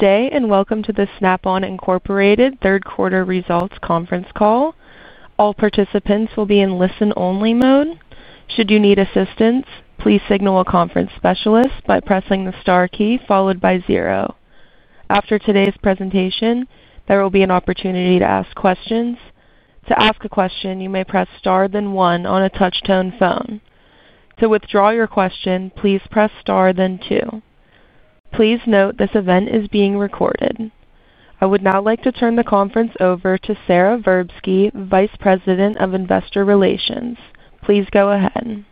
Today, and welcome to the Snap-on Incorporated Third Quarter Results Conference Call. All participants will be in listen-only mode. Should you need assistance, please signal a conference specialist by pressing the star key followed by zero. After today's presentation, there will be an opportunity to ask questions. To ask a question, you may press star then one on a touch-tone phone. To withdraw your question, please press star then two. Please note this event is being recorded. I would now like to turn the conference over to Sara Verbsky, Vice President of Investor Relations. Please go ahead.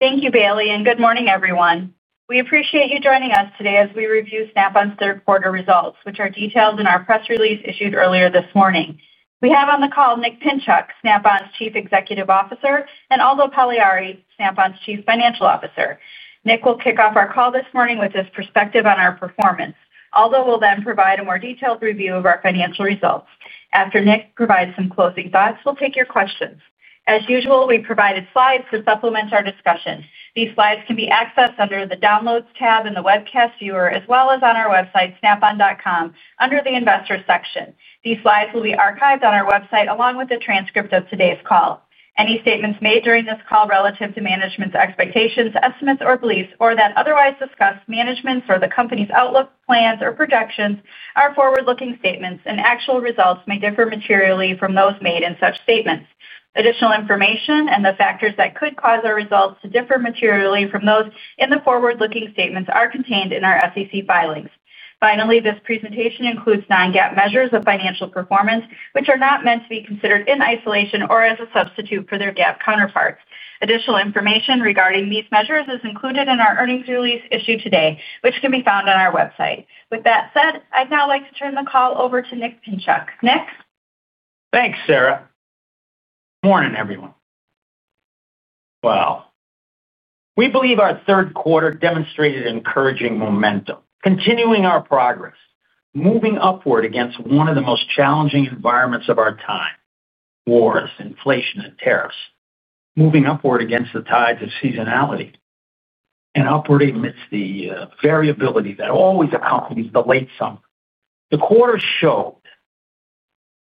Thank you, Bailey, and good morning, everyone. We appreciate you joining us today as we review Snap-on's Third Quarter Results, which are detailed in our press release issued earlier this morning. We have on the call Nick Pinchuk, Snap-on's Chief Executive Officer, and Aldo Pagliari, Snap-on's Chief Financial Officer. Nick will kick off our call this morning with his perspective on our performance. Aldo will then provide a more detailed review of our financial results. After Nick provides some closing thoughts, we'll take your questions. As usual, we provided slides to supplement our discussion. These slides can be accessed under the Downloads tab in the webcast viewer, as well as on our website, snap-on.com, under the Investor section. These slides will be archived on our website along with the transcript of today's call. Any statements made during this call relative to management's expectations, estimates, or beliefs, or that otherwise discuss management's or the company's outlook, plans, or projections are forward-looking statements, and actual results may differ materially from those made in such statements. Additional information and the factors that could cause our results to differ materially from those in the forward-looking statements are contained in our SEC filings. Finally, this presentation includes non-GAAP measures of financial performance, which are not meant to be considered in isolation or as a substitute for their GAAP counterparts. Additional information regarding these measures is included in our earnings release issued today, which can be found on our website. With that said, I'd now like to turn the call over to Nick Pinchuk. Nick? Thanks, Sara. Morning, everyone. We believe our third quarter demonstrated encouraging momentum, continuing our progress, moving upward against one of the most challenging environments of our time: wars, inflation, and tariffs, moving upward against the tides of seasonality and upward amidst the variability that always accompanies the late summer. The quarter showed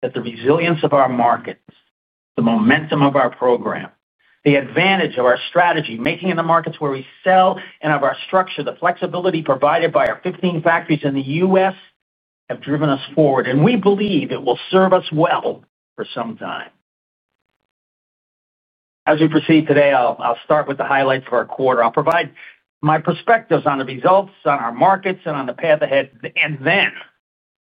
that the resilience of our markets, the momentum of our program, the advantage of our strategy, making in the markets where we sell and of our structure, the flexibility provided by our 15 factories in the U.S., have driven us forward, and we believe it will serve us well for some time. As we proceed today, I'll start with the highlights of our quarter. I'll provide my perspectives on the results, on our markets, and on the path ahead, and then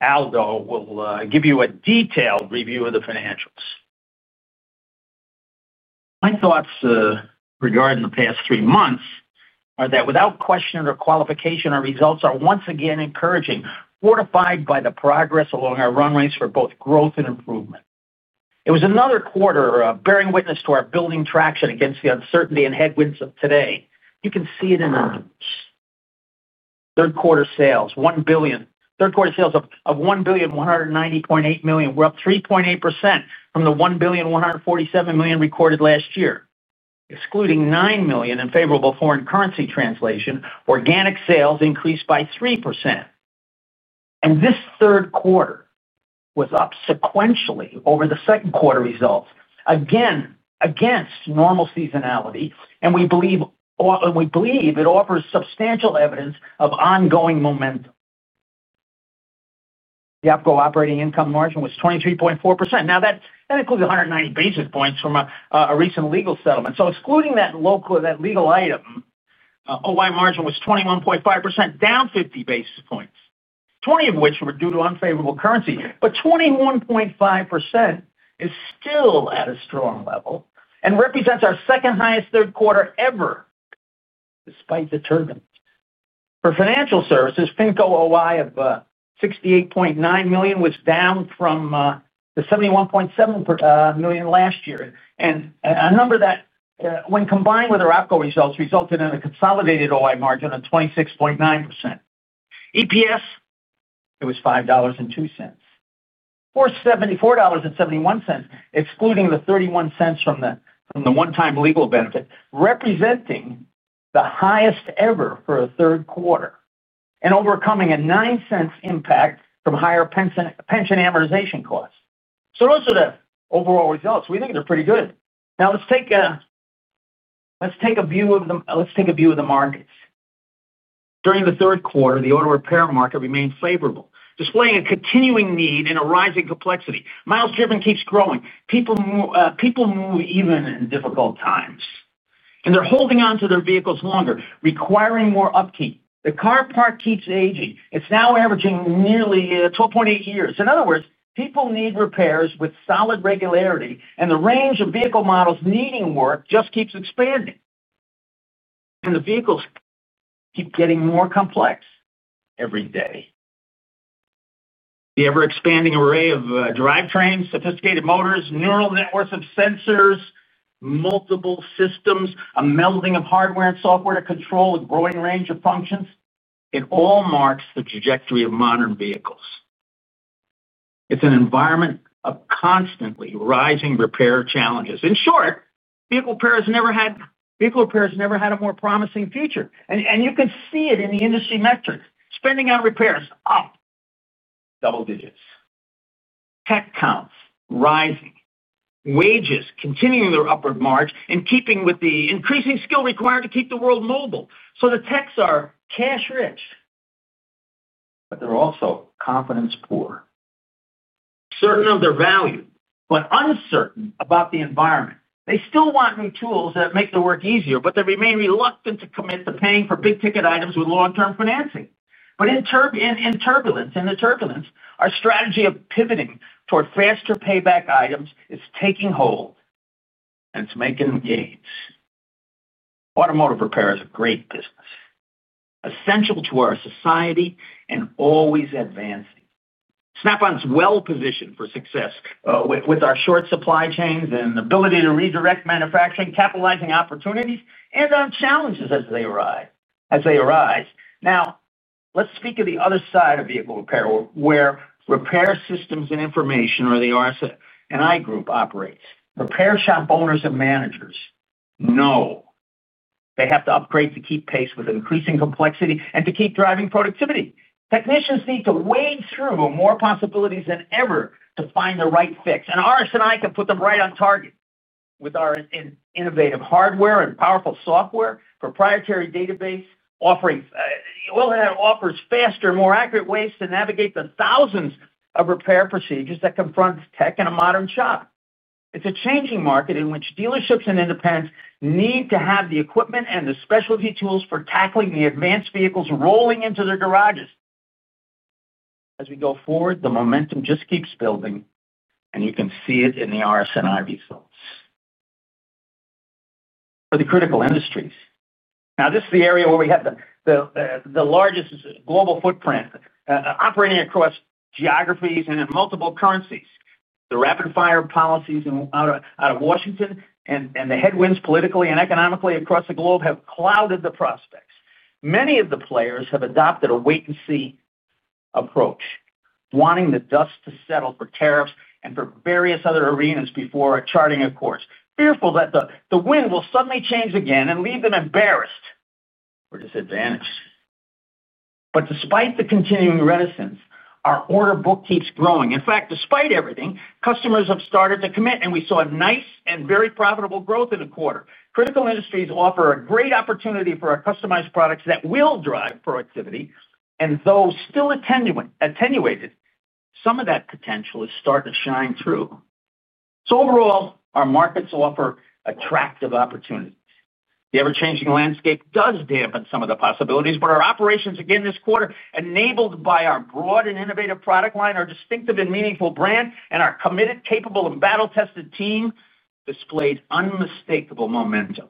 Aldo will give you a detailed review of the financials. My thoughts regarding the past three months are that without question or qualification, our results are once again encouraging, fortified by the progress along our runways for both growth and improvement. It was another quarter bearing witness to our building traction against the uncertainty and headwinds of today. You can see it in the numbers. Third quarter sales: $1 billion. Third quarter sales of $1,190.8 million. We're up 3.8% from the $1,147 million recorded last year. Excluding $9 million in favorable foreign currency translation, organic sales increased by 3%. This third quarter was up sequentially over the second quarter results, again, against normal seasonality, and we believe it offers substantial evidence of ongoing momentum. The outgoing operating income margin was 23.4%. That includes 190 basis points from a recent legal settlement. Excluding that legal item, OI margin was 21.5%, down 50 basis points, 20 of which were due to unfavorable currency. 21.5% is still at a strong level and represents our second highest third quarter ever, despite the turbulence. For financial services, Finco OI of $68.9 million was down from the $71.7 million last year, and a number that, when combined with our outgoing results, resulted in a consolidated OI margin of 26.9%. EPS, it was $5.02, $4.71, excluding the $0.31 from the one-time legal benefit, representing the highest ever for a third quarter and overcoming a $0.09 impact from higher pension amortization costs. Those are the overall results. We think they're pretty good. Now, let's take a view of the markets. During the third quarter, the auto repair market remained favorable, displaying a continuing need and a rising complexity. Miles driven keeps growing. People move even in difficult times, and they're holding onto their vehicles longer, requiring more upkeep. The car part keeps aging. It's now averaging nearly 12.8 years. In other words, people need repairs with solid regularity, and the range of vehicle models needing work just keeps expanding, and the vehicles keep getting more complex every day. The ever-expanding array of drivetrains, sophisticated motors, neural networks of sensors, multiple systems, a melding of hardware and software to control a growing range of functions, it all marks the trajectory of modern vehicles. It's an environment of constantly rising repair challenges. In short, vehicle repairs never had a more promising future, and you can see it in the industry metrics. Spending on repairs up double digits. Tech counts rising. Wages continuing their upward march in keeping with the increasing skill required to keep the world mobile. The techs are cash-rich, but they're also confidence poor. Certain of their value, but uncertain about the environment. They still want new tools that make the work easier, but they remain reluctant to commit to paying for big-ticket items with long-term financing. In turbulence, our strategy of pivoting toward faster payback items is taking hold, and it's making gains. Automotive repair is a great business, essential to our society and always advancing. Snap-on is well positioned for success with our short supply chains and ability to redirect manufacturing, capitalizing on opportunities and on challenges as they arise. Now, let's speak of the other side of vehicle repair, where repair systems and information are, the RS&I Group operates. Repair shop owners and managers know they have to upgrade to keep pace with increasing complexity and to keep driving productivity. Technicians need to wade through more possibilities than ever to find the right fix, and RS&I can put them right on target with our innovative hardware and powerful software, proprietary database offerings, all that offers faster, more accurate ways to navigate the thousands of repair procedures that confront tech in a modern shop. It's a changing market in which dealerships and independents need to have the equipment and the specialty tools for tackling the advanced vehicles rolling into their garages. As we go forward, the momentum just keeps building, and you can see it in the RS&I results for the critical industries. This is the area where we have the largest global footprint operating across geographies and in multiple currencies. The rapid-fire policies out of Washington and the headwinds politically and economically across the globe have clouded the prospects. Many of the players have adopted a wait-and-see approach, wanting the dust to settle for tariffs and for various other arenas before charting a course, fearful that the wind will suddenly change again and leave them embarrassed or disadvantaged. Despite the continuing reticence, our order book keeps growing. In fact, despite everything, customers have started to commit, and we saw a nice and very profitable growth in the quarter. Critical industries offer a great opportunity for our customized products that will drive productivity, and though still attenuated, some of that potential is starting to shine through. Overall, our markets offer attractive opportunities. The ever-changing landscape does dampen some of the possibilities, but our operations again this quarter, enabled by our broad and innovative product line, our distinctive and meaningful brand, and our committed, capable, and battle-tested team, displayed unmistakable momentum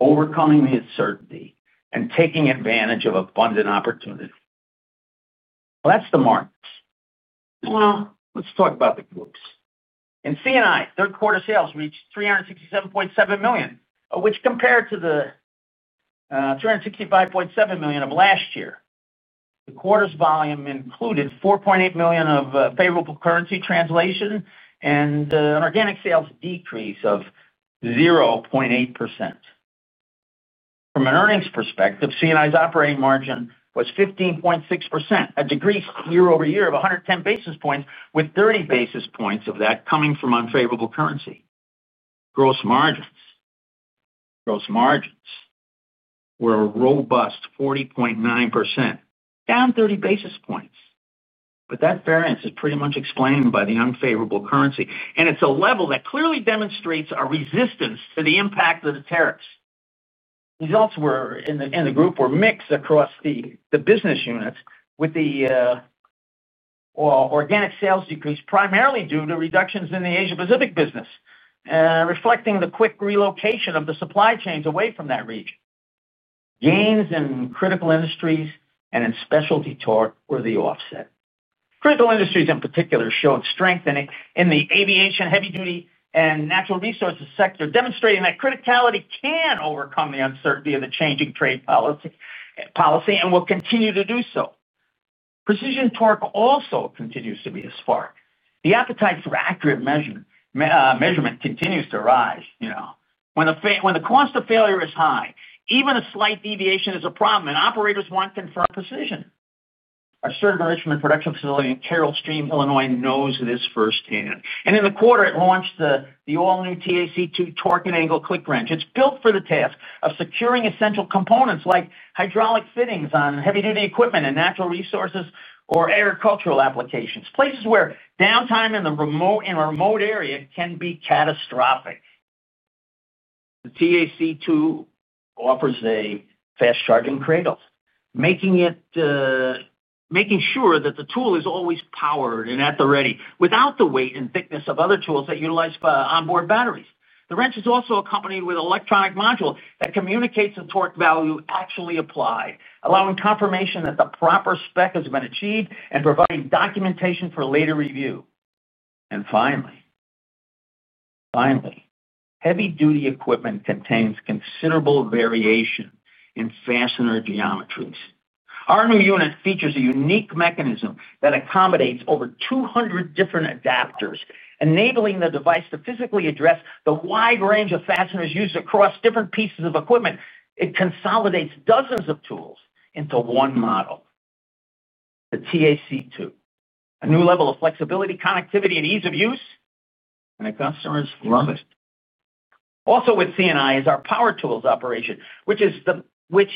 overcoming the uncertainty and taking advantage of abundant opportunity. That is the markets. Now, let's talk about the groups. In CNI, third quarter sales reached $367.7 million, which compared to the $365.7 million of last year. The quarter's volume included $4.8 million of favorable currency translation and an organic sales decrease of 0.8%. From an earnings perspective, CNI's operating margin was 15.6%, a decrease year-over-year of 110 basis points, with 30 basis points of that coming from unfavorable currency. Gross margins were robust, 40.9%, down 30 basis points, but that variance is pretty much explained by the unfavorable currency, and it's a level that clearly demonstrates a resistance to the impact of the tariffs. Results in the group were mixed across the business units with the organic sales decrease primarily due to reductions in the Asia-Pacific business, reflecting the quick relocation of the supply chains away from that region. Gains in critical industries and in specialty torque were the offset. Critical industries, in particular, showed strength in the aviation, heavy-duty, and natural resources sector, demonstrating that criticality can overcome the uncertainty of the changing trade policy and will continue to do so. Precision torque also continues to be a spark. The appetite for accurate measurement continues to rise. You know, when the cost of failure is high, even a slight deviation is a problem, and operators want confirmed precision. Our server enrichment production facility in Carol Stream, Illinois, knows this firsthand. In the quarter, it launched the all-new TAC2 torque and angle click wrench. It's built for the task of securing essential components like hydraulic fittings on heavy-duty equipment and natural resources or agricultural applications, places where downtime in a remote area can be catastrophic. The TAC2 offers a fast charging cradle, making sure that the tool is always powered and at the ready without the weight and thickness of other tools that utilize onboard batteries. The wrench is also accompanied with an electronic module that communicates the torque value actually applied, allowing confirmation that the proper spec has been achieved and providing documentation for later review. Heavy-duty equipment contains considerable variation in fastener geometries. Our new unit features a unique mechanism that accommodates over 200 different adapters, enabling the device to physically address the wide range of fasteners used across different pieces of equipment. It consolidates dozens of tools into one model, the TAC2, a new level of flexibility, connectivity, and ease of use, and the customers love it. Also with CNI is our power tools operation, which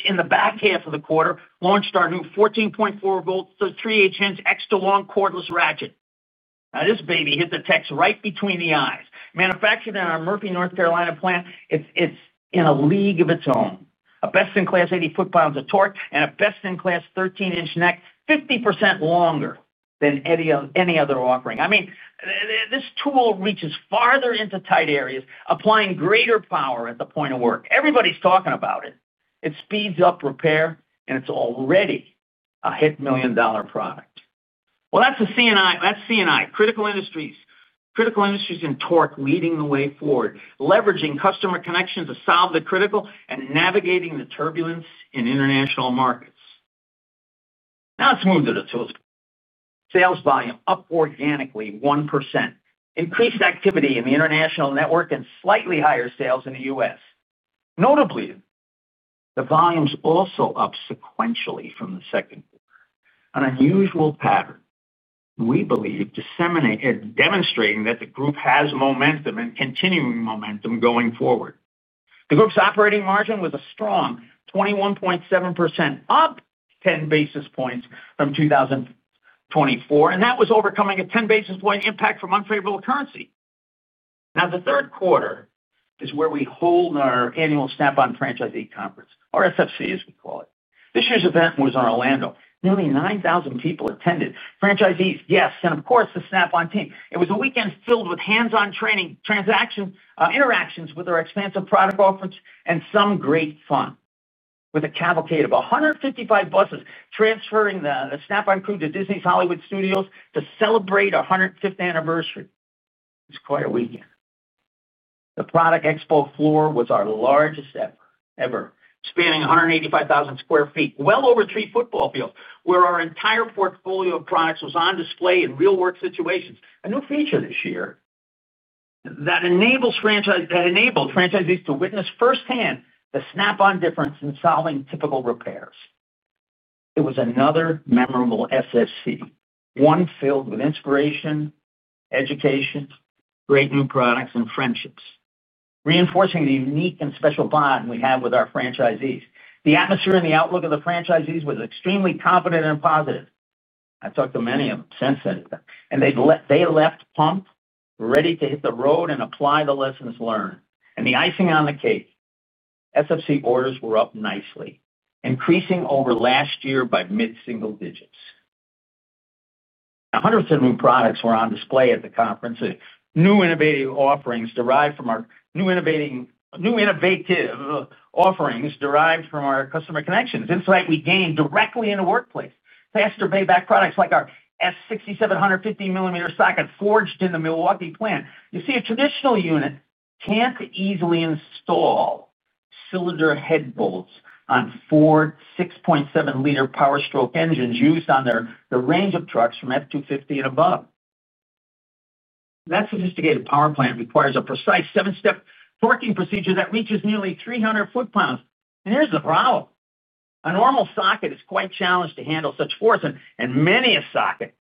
in the back half of the quarter launched our new 14.4-volt, 0.375 in extra-long cordless ratchet. This baby hit the techs right between the eyes. Manufactured in our Murphy, North Carolina plant, it's in a league of its own, a best-in-class 80 foot lbs of torque and a best-in-class 13 in neck, 50% longer than any other offering. I mean, this tool reaches farther into tight areas, applying greater power at the point of work. Everybody's talking about it. It speeds up repair, and it's already a hit-million-dollar product. That is the CNI, critical industries, critical industries in torque leading the way forward, leveraging customer connections to solve the critical and navigating the turbulence in international markets. Now, let's move to the tools. Sales volume up organically 1%, increased activity in the international network, and slightly higher sales in the U.S. Notably, the volumes also up sequentially from the second quarter, an unusual pattern. We believe it's demonstrating that the group has momentum and continuing momentum going forward. The group's operating margin was a strong 21.7%, up 10 basis points from 2024, and that was overcoming a 10-basis-point impact from unfavorable currency. The third quarter is where we hold our annual Snap-on Franchisee Conference, or FFC, as we call it. This year's event was in Orlando. Nearly 9,000 people attended. Franchisees, yes, and of course, the Snap-on team. It was a weekend filled with hands-on training, interactions with our expansive product offerings, and some great fun with a cavalcade of 155 buses transferring the Snap-on crew to Disney's Hollywood Studios to celebrate our 105th anniversary. It was quite a weekend. The product expo floor was our largest ever, spanning 185,000 square feet, well over three football fields, where our entire portfolio of products was on display in real-world situations, a new feature this year that enabled franchisees to witness firsthand the Snap-on difference in solving typical repairs. It was another memorable FFC, one filled with inspiration, education, great new products, and friendships, reinforcing the unique and special bond we have with our franchisees. The atmosphere and the outlook of the franchisees was extremely confident and positive. I talked to many of them since then, and they left pumped, ready to hit the road and apply the lessons learned. The icing on the cake, FFC orders were up nicely, increasing over last year by mid-single digits. Hundreds of new products were on display at the conference, new innovative offerings derived from our customer connections, insight we gained directly in the workplace, faster payback products like our S6750 mm socket forged in the Milwaukee plant. You see, a traditional unit can't easily install cylinder head bolts on four 6.7-liter Power Stroke engines used on the range of trucks from F250 and above. That sophisticated power plant requires a precise seven-step torquing procedure that reaches nearly 300 foot-pounds. Here's the problem. A normal socket is quite challenged to handle such force, and many a socket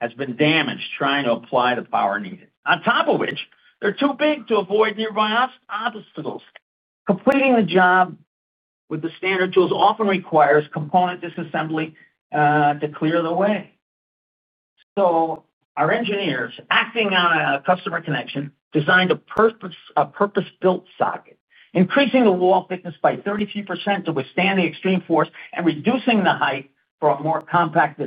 has been damaged trying to apply the power needed, on top of which they're too big to avoid nearby obstacles. Completing the job with the standard tools often requires component disassembly to clear the way. Our engineers, acting on a customer connection, designed a purpose-built socket, increasing the wall thickness by 33% to withstand the extreme force and reducing the height for a more compact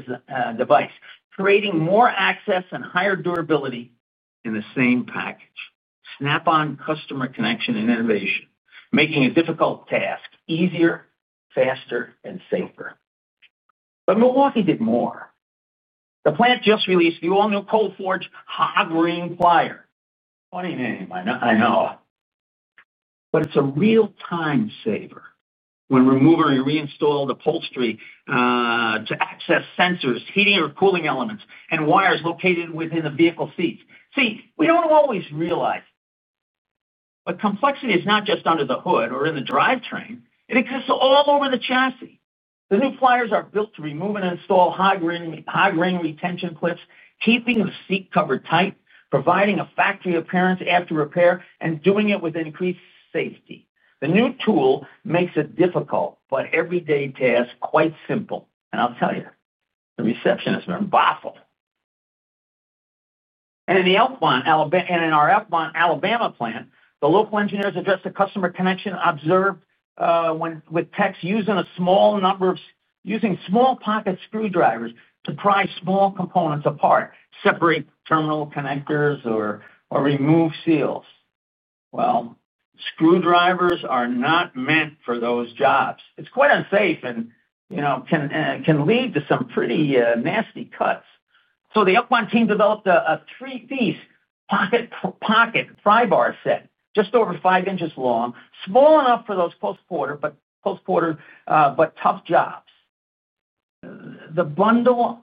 device, creating more access and higher durability in the same package. Snap-on customer connection and innovation, making a difficult task easier, faster, and safer. Milwaukee did more. The plant just released the all-new cold forge hog ring plier. Funny name, I know. It's a real time saver when removing and reinstalling the upholstery to access sensors, heating or cooling elements, and wires located within the vehicle seats. We don't always realize it, but complexity is not just under the hood or in the drivetrain. It exists all over the chassis. The new pliers are built to remove and install hog ring retention clips, keeping the seat cover tight, providing a factory appearance after repair, and doing it with increased safety. The new tool makes a difficult but everyday task quite simple. I'll tell you, the receptionists are baffled. In our Elkhorn, Alabama plant, the local engineers addressed the customer connection observed with techs using a small number of small pocket screwdrivers to pry small components apart, separate terminal connectors, or remove seals. Screwdrivers are not meant for those jobs. It's quite unsafe and can lead to some pretty nasty cuts. The Elkhorn team developed a three-piece pocket pry bar set, just over five inches long, small enough for those close quarter but tough jobs. This bundle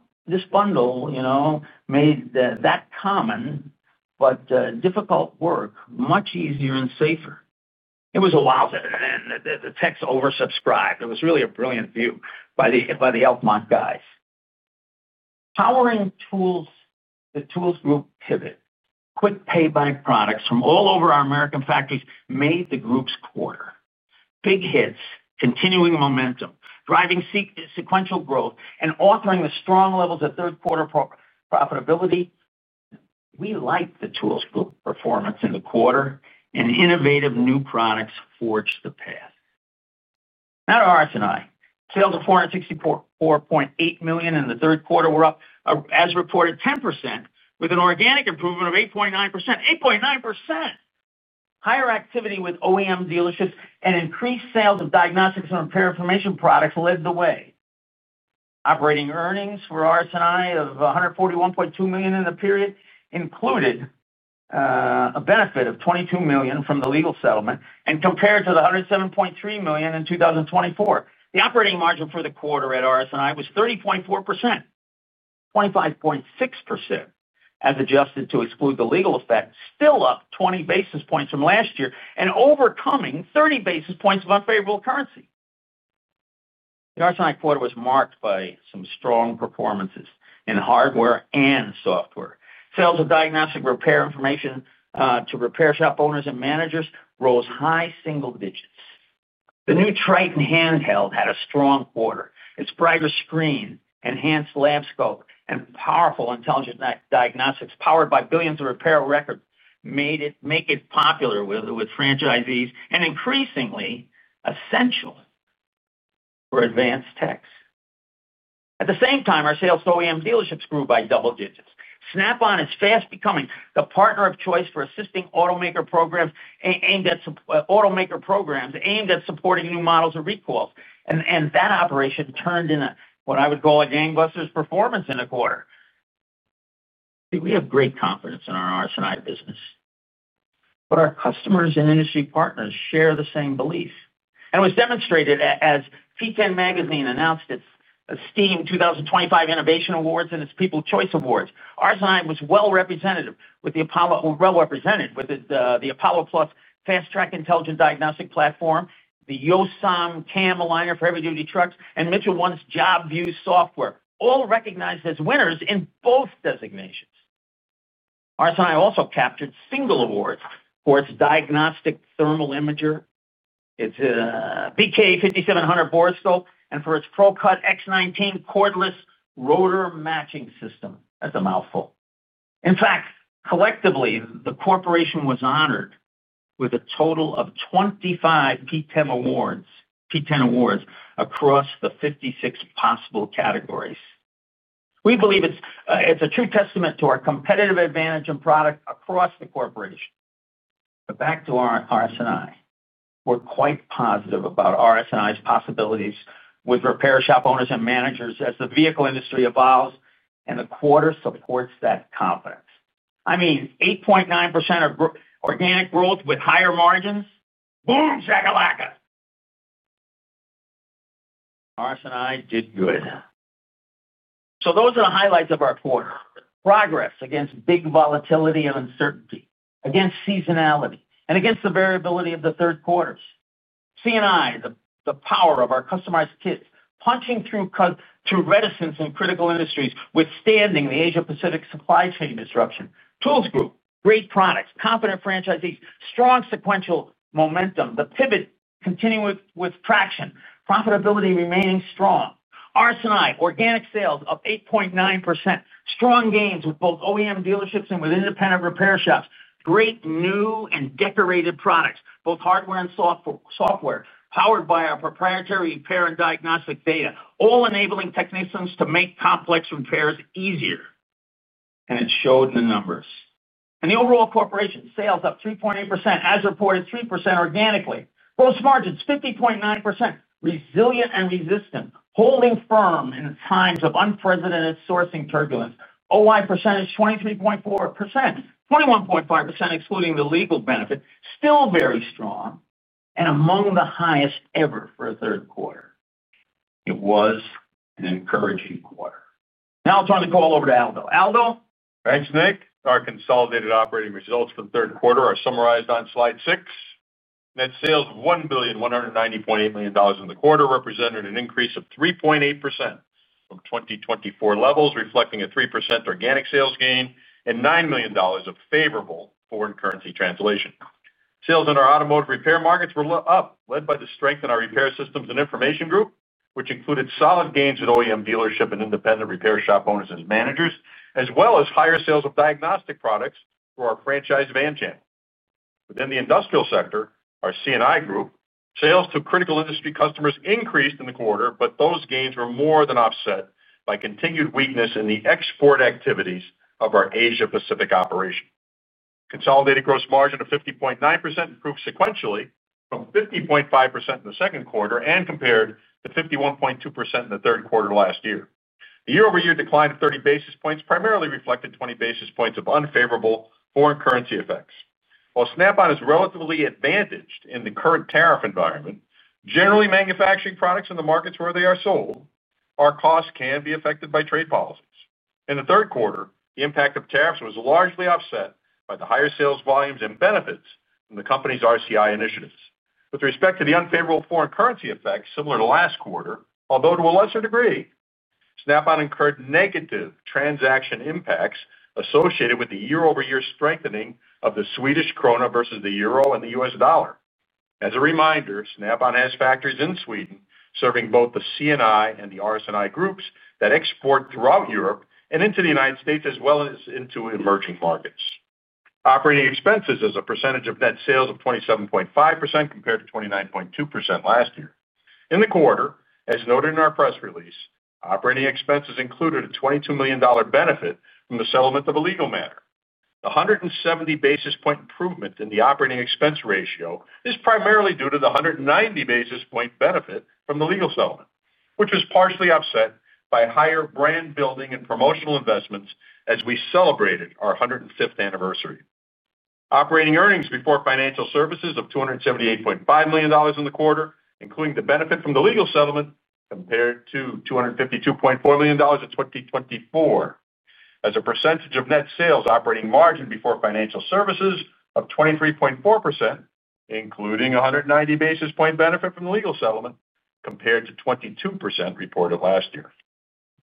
made that common but difficult work much easier and safer. It was a wild, and the techs oversubscribed. It was really a brilliant view by the Elkhorn guys. Powering tools, the Tools Group pivot. Quick payback products from all over our American factories made the group's quarter. Big hits, continuing momentum, driving sequential growth, and altering the strong levels of third-quarter profitability. We liked the Tools Group performance in the quarter, and innovative new products forged the path. Now to RS&I. Sales of $464.8 million in the third quarter were up, as reported, 10%, with an organic improvement of 8.9%. Higher activity with OEM dealerships and increased sales of diagnostics and repair information products led the way. Operating earnings for RS&I of $141.2 million in the period included a benefit of $22 million from the legal settlement and compared to the $107.3 million in 2024. The operating margin for the quarter at RS&I was 30.4%. 25.6%, as adjusted to exclude the legal effect, still up 20 basis points from last year and overcoming 30 basis points of unfavorable currency. The RS&I quarter was marked by some strong performances in hardware and software. Sales of diagnostic repair information to repair shop owners and managers rose high single digits. The new Triton handheld had a strong quarter. Its brighter screen, enhanced lab scope, and powerful intelligent diagnostics powered by billions of repair records made it popular with franchisees and increasingly essential for advanced techs. At the same time, our sales to OEM dealerships grew by double digits. Snap-on is fast becoming the partner of choice for assisting automaker programs aimed at supporting new models or recalls. That operation turned into what I would call a gangbuster's performance in a quarter. We have great confidence in our RS&I business, and our customers and industry partners share the same belief. It was demonstrated as P10 Magazine announced its esteemed 2025 Innovation Awards and its People Choice Awards. RS&I was well represented with the APOLLO+ Fast-Track Intelligent Diagnostic Platform, the JOSAM Cam-Aligner for heavy-duty trucks, and Mitchell 1's Job View software, all recognized as winners in both designations. RS&I also captured single awards for its diagnostic thermal imager, its BK5700 board stove, and for its ProCut X19 cordless rotor matching system. In fact, collectively, the corporation was honored with a total of 25 P10 awards across the 56 possible categories. We believe it's a true testament to our competitive advantage and product across the corporation. Back to RS&I. We're quite positive about RS&I's possibilities with repair shop owners and managers as the vehicle industry evolves, and the quarter supports that confidence. I mean, 8.9% of organic growth with higher margins, boom, jackalacka. RS&I did good. Those are the highlights of our quarter. Progress against big volatility and uncertainty, against seasonality, and against the variability of the third quarters. CNI, the power of our customized kits, punching through reticence in critical industries, withstanding the Asia-Pacific supply chain disruption. Tools Group, great products, competent franchisees, strong sequential momentum, the pivot continuing with traction, profitability remaining strong. RS&I, organic sales up 8.9%, strong gains with both OEM dealerships and with independent repair shops, great new and decorated products, both hardware and software, powered by our proprietary repair and diagnostic data, all enabling technicians to make complex repairs easier. It showed in the numbers. The overall corporation, sales up 3.8%, as reported, 3% organically. Gross margins 50.9%, resilient and resistant, holding firm in times of unprecedented sourcing turbulence. OI percentage 23.4%, 21.5% excluding the legal benefit, still very strong and among the highest ever for a third quarter. It was an encouraging quarter. Now I'll turn the call over to Aldo. Aldo. Thanks, Nick. Our consolidated operating results for the third quarter are summarized on slide six. Net sales of $1,190.8 million in the quarter represented an increase of 3.8% from 2024 levels, reflecting a 3% organic sales gain and $9 million of favorable foreign currency translation. Sales in our automotive repair markets were up, led by the strength in our Repair Systems & Information Group, which included solid gains at OEM dealership and independent repair shop owners and managers, as well as higher sales of diagnostic products through our franchised van channel. Within the industrial sector, our CNI Group, sales to critical industry customers increased in the quarter, but those gains were more than offset by continued weakness in the export activities of our Asia-Pacific operation. Consolidated gross margin of 50.9% improved sequentially from 50.5% in the second quarter and compared to 51.2% in the third quarter last year. The year-over-year decline of 30 basis points primarily reflected 20 basis points of unfavorable foreign currency effects. While Snap-on is relatively advantaged in the current tariff environment, generally, manufacturing products in the markets where they are sold, our costs can be affected by trade policies. In the third quarter, the impact of tariffs was largely offset by the higher sales volumes and benefits from the company's RCI initiatives. With respect to the unfavorable foreign currency effects, similar to last quarter, although to a lesser degree, Snap-on incurred negative transaction impacts associated with the year-over-year strengthening of the Swedish krona versus the euro and the U.S. dollar. As a reminder, Snap-on has factories in Sweden serving both the CNI Group and the RS&I Group that export throughout Europe and into the United States, as well as into emerging markets. Operating expenses as a percentage of net sales of 27.5% compared to 29.2% last year. In the quarter, as noted in our press release, operating expenses included a $22 million benefit from the settlement of a legal matter. The 170 basis point improvement in the operating expense ratio is primarily due to the 190 basis point benefit from the legal settlement, which was partially offset by higher brand building and promotional investments as we celebrated our 105th anniversary. Operating earnings before financial services of $278.5 million in the quarter, including the benefit from the legal settlement, compared to $252.4 million in 2024. As a percentage of net sales, operating margin before financial services of 23.4%, including 190 basis point benefit from the legal settlement, compared to 22% reported last year.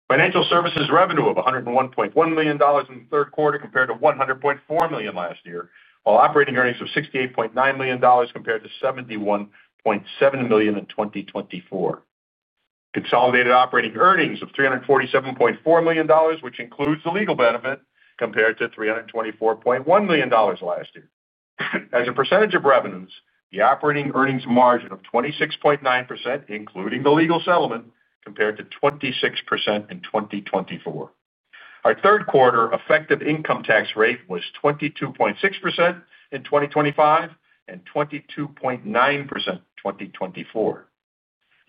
Financial services revenue of $101.1 million in the third quarter compared to $100.4 million last year, while operating earnings of $68.9 million compared to $71.7 million in 2024. Consolidated operating earnings of $347.4 million, which includes the legal benefit, compared to $324.1 million last year. As a percentage of revenues, the operating earnings margin of 26.9%, including the legal settlement, compared to 26% in 2024. Our third quarter effective income tax rate was 22.6% in 2025 and 22.9% in 2024.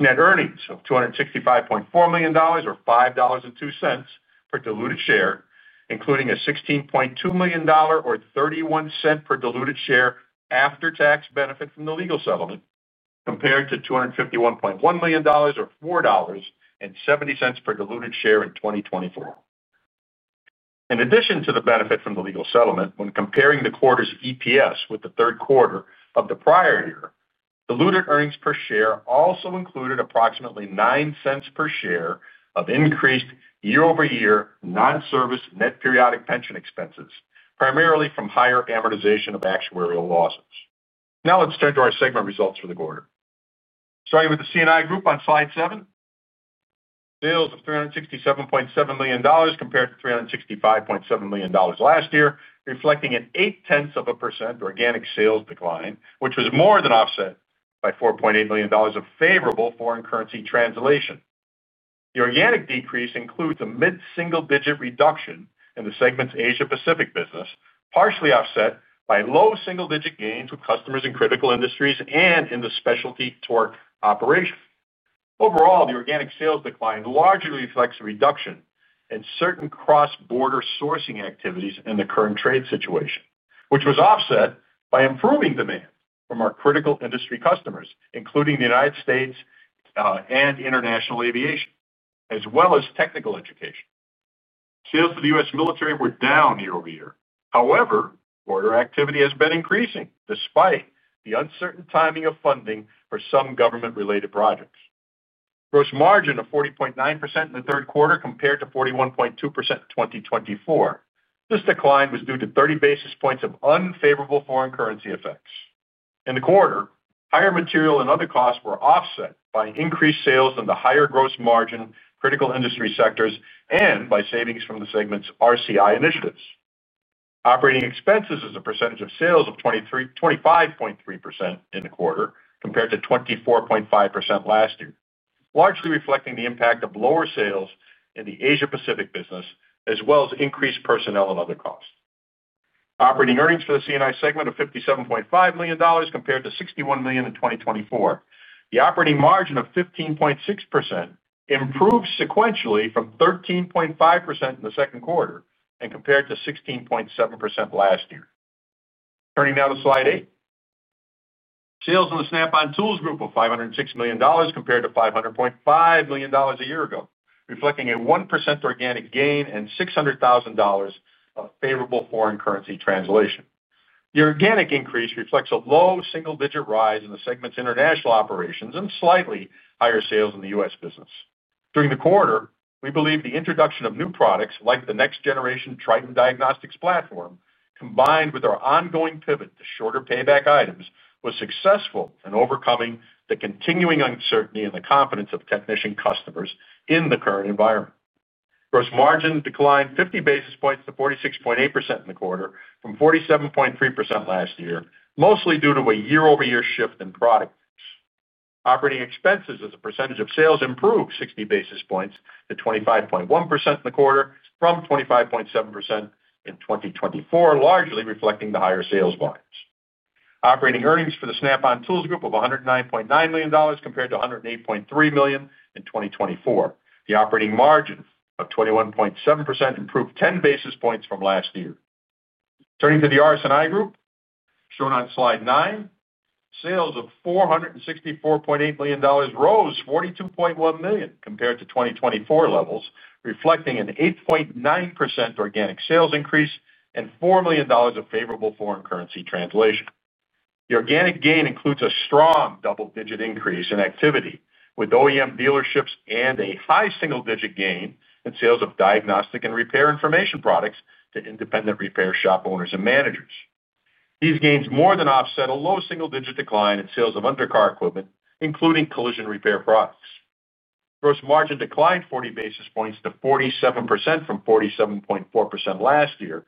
Net earnings of $265.4 million or $5.02 per diluted share, including a $16.2 million or $0.31 per diluted share after-tax benefit from the legal settlement, compared to $251.1 million or $4.70 per diluted share in 2024. In addition to the benefit from the legal settlement, when comparing the quarter's EPS with the third quarter of the prior year, diluted earnings per share also included approximately $0.09 per share of increased year-over-year non-service net periodic pension expenses, primarily from higher amortization of actuarial losses. Now let's turn to our segment results for the quarter. Starting with the CNI Group on slide seven, sales of $367.7 million compared to $365.7 million last year, reflecting an 0.8% organic sales decline, which was more than offset by $4.8 million of favorable foreign currency translation. The organic decrease includes a mid-single-digit reduction in the segment's Asia-Pacific business, partially offset by low single-digit gains with customers in critical industries and in the specialty torque operation. Overall, the organic sales decline largely reflects a reduction in certain cross-border sourcing activities in the current trade situation, which was offset by improving demand from our critical industry customers, including the United States and international aviation, as well as technical education. Sales for the U.S. military were down year-over-year. However, order activity has been increasing despite the uncertain timing of funding for some government-related projects. Gross margin of 40.9% in the third quarter compared to 41.2% in 2024. This decline was due to 30 basis points of unfavorable foreign currency effects. In the quarter, higher material and other costs were offset by increased sales in the higher gross margin critical industry sectors and by savings from the segment's RCI initiatives. Operating expenses as a percentage of sales of 25.3% in the quarter compared to 24.5% last year, largely reflecting the impact of lower sales in the Asia-Pacific business, as well as increased personnel and other costs. Operating earnings for the CNI segment of $57.5 million compared to $61 million in 2024. The operating margin of 15.6% improved sequentially from 13.5% in the second quarter and compared to 16.7% last year. Turning now to slide eight, sales in the Snap-on Tools Group of $506 million compared to $500.5 million a year ago, reflecting a 1% organic gain and $0.6 million of favorable foreign currency translation. The organic increase reflects a low single-digit rise in the segment's international operations and slightly higher sales in the U.S. business. During the quarter, we believe the introduction of new products like the next-generation Triton Diagnostics Platform, combined with our ongoing pivot to shorter payback items, was successful in overcoming the continuing uncertainty and the confidence of technician customers in the current environment. Gross margin declined 50 basis points to 46.8% in the quarter from 47.3% last year, mostly due to a year-over-year shift in product types. Operating expenses as a percentage of sales improved 60 basis points to 25.1% in the quarter from 25.7% in 2024, largely reflecting the higher sales volumes. Operating earnings for the Snap-on Tools Group of $109.9 million compared to $108.3 million in 2024. The operating margin of 21.7% improved 10 basis points from last year. Turning to the RS&I Group, shown on slide nine, sales of $464.8 million rose $42.1 million compared to 2024 levels, reflecting an 8.9% organic sales increase and $4 million of favorable foreign currency translation. The organic gain includes a strong double-digit increase in activity with OEM dealerships and a high single-digit gain in sales of diagnostic and repair information products to independent repair shop owners and managers. These gains more than offset a low single-digit decline in sales of undercar equipment, including collision repair products. Gross margin declined 40 basis points to 47% from 47.4% last year,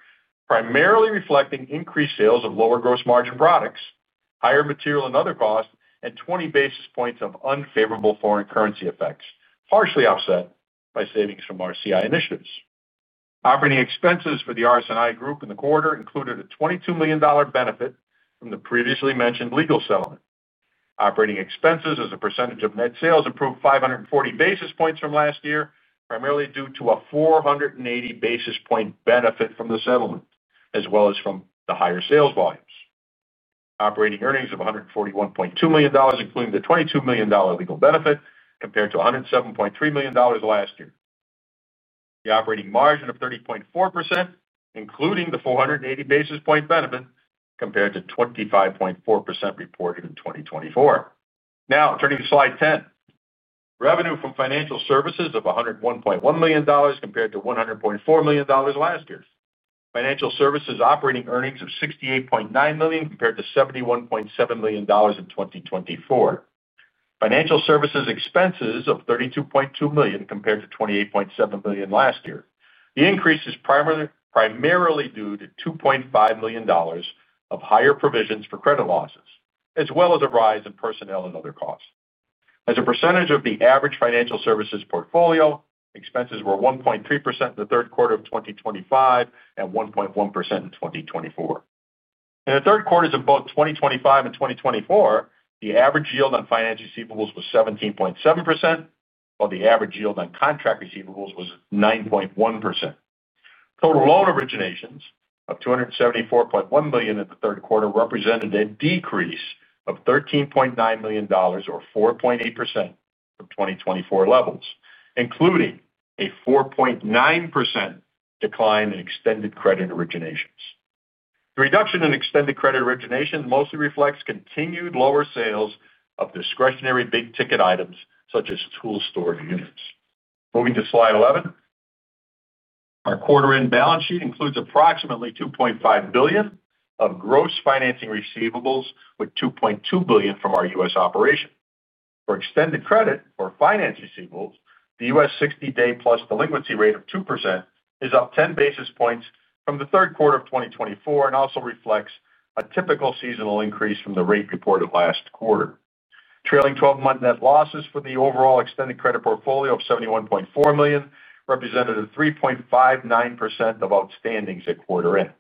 primarily reflecting increased sales of lower gross margin products, higher material and other costs, and 20 basis points of unfavorable foreign currency effects, partially offset by savings from RCI initiatives. Operating expenses for the RS&I Group in the quarter included a $22 million benefit from the previously mentioned legal settlement. Operating expenses as a percentage of net sales improved 540 basis points from last year, primarily due to a 480 basis point benefit from the settlement, as well as from the higher sales volumes. Operating earnings of $141.2 million, including the $22 million legal benefit, compared to $107.3 million last year. The operating margin of 30.4%, including the 480 basis point benefit, compared to 25.4% reported in 2024. Now turning to slide 10, revenue from financial services of $101.1 million compared to $100.4 million last year. Financial services operating earnings of $68.9 million compared to $71.7 million in 2024. Financial services expenses of $32.2 million compared to $28.7 million last year. The increase is primarily due to $2.5 million of higher provisions for credit losses, as well as a rise in personnel and other costs. As a percentage of the average financial services portfolio, expenses were 1.3% in the third quarter of 2025 and 1.1% in 2024. In the third quarters of both 2025 and 2024, the average yield on finance receivables was 17.7%, while the average yield on contract receivables was 9.1%. Total loan originations of $274.1 million in the third quarter represented a decrease of $13.9 million or 4.8% from 2024 levels, including a 4.9% decline in extended credit originations. The reduction in extended credit origination mostly reflects continued lower sales of discretionary big-ticket items such as tool storage units. Moving to slide 11, our quarter-end balance sheet includes approximately $2.5 billion of gross financing receivables, with $2.2 billion from our U.S. operation. For extended credit or finance receivables, the U.S. 60-day plus delinquency rate of 2% is up 10 basis points from the third quarter of 2024 and also reflects a typical seasonal increase from the rate reported last quarter. Trailing 12-month net losses for the overall extended credit portfolio of $71.4 million represented 3.59% of outstandings at quarter end.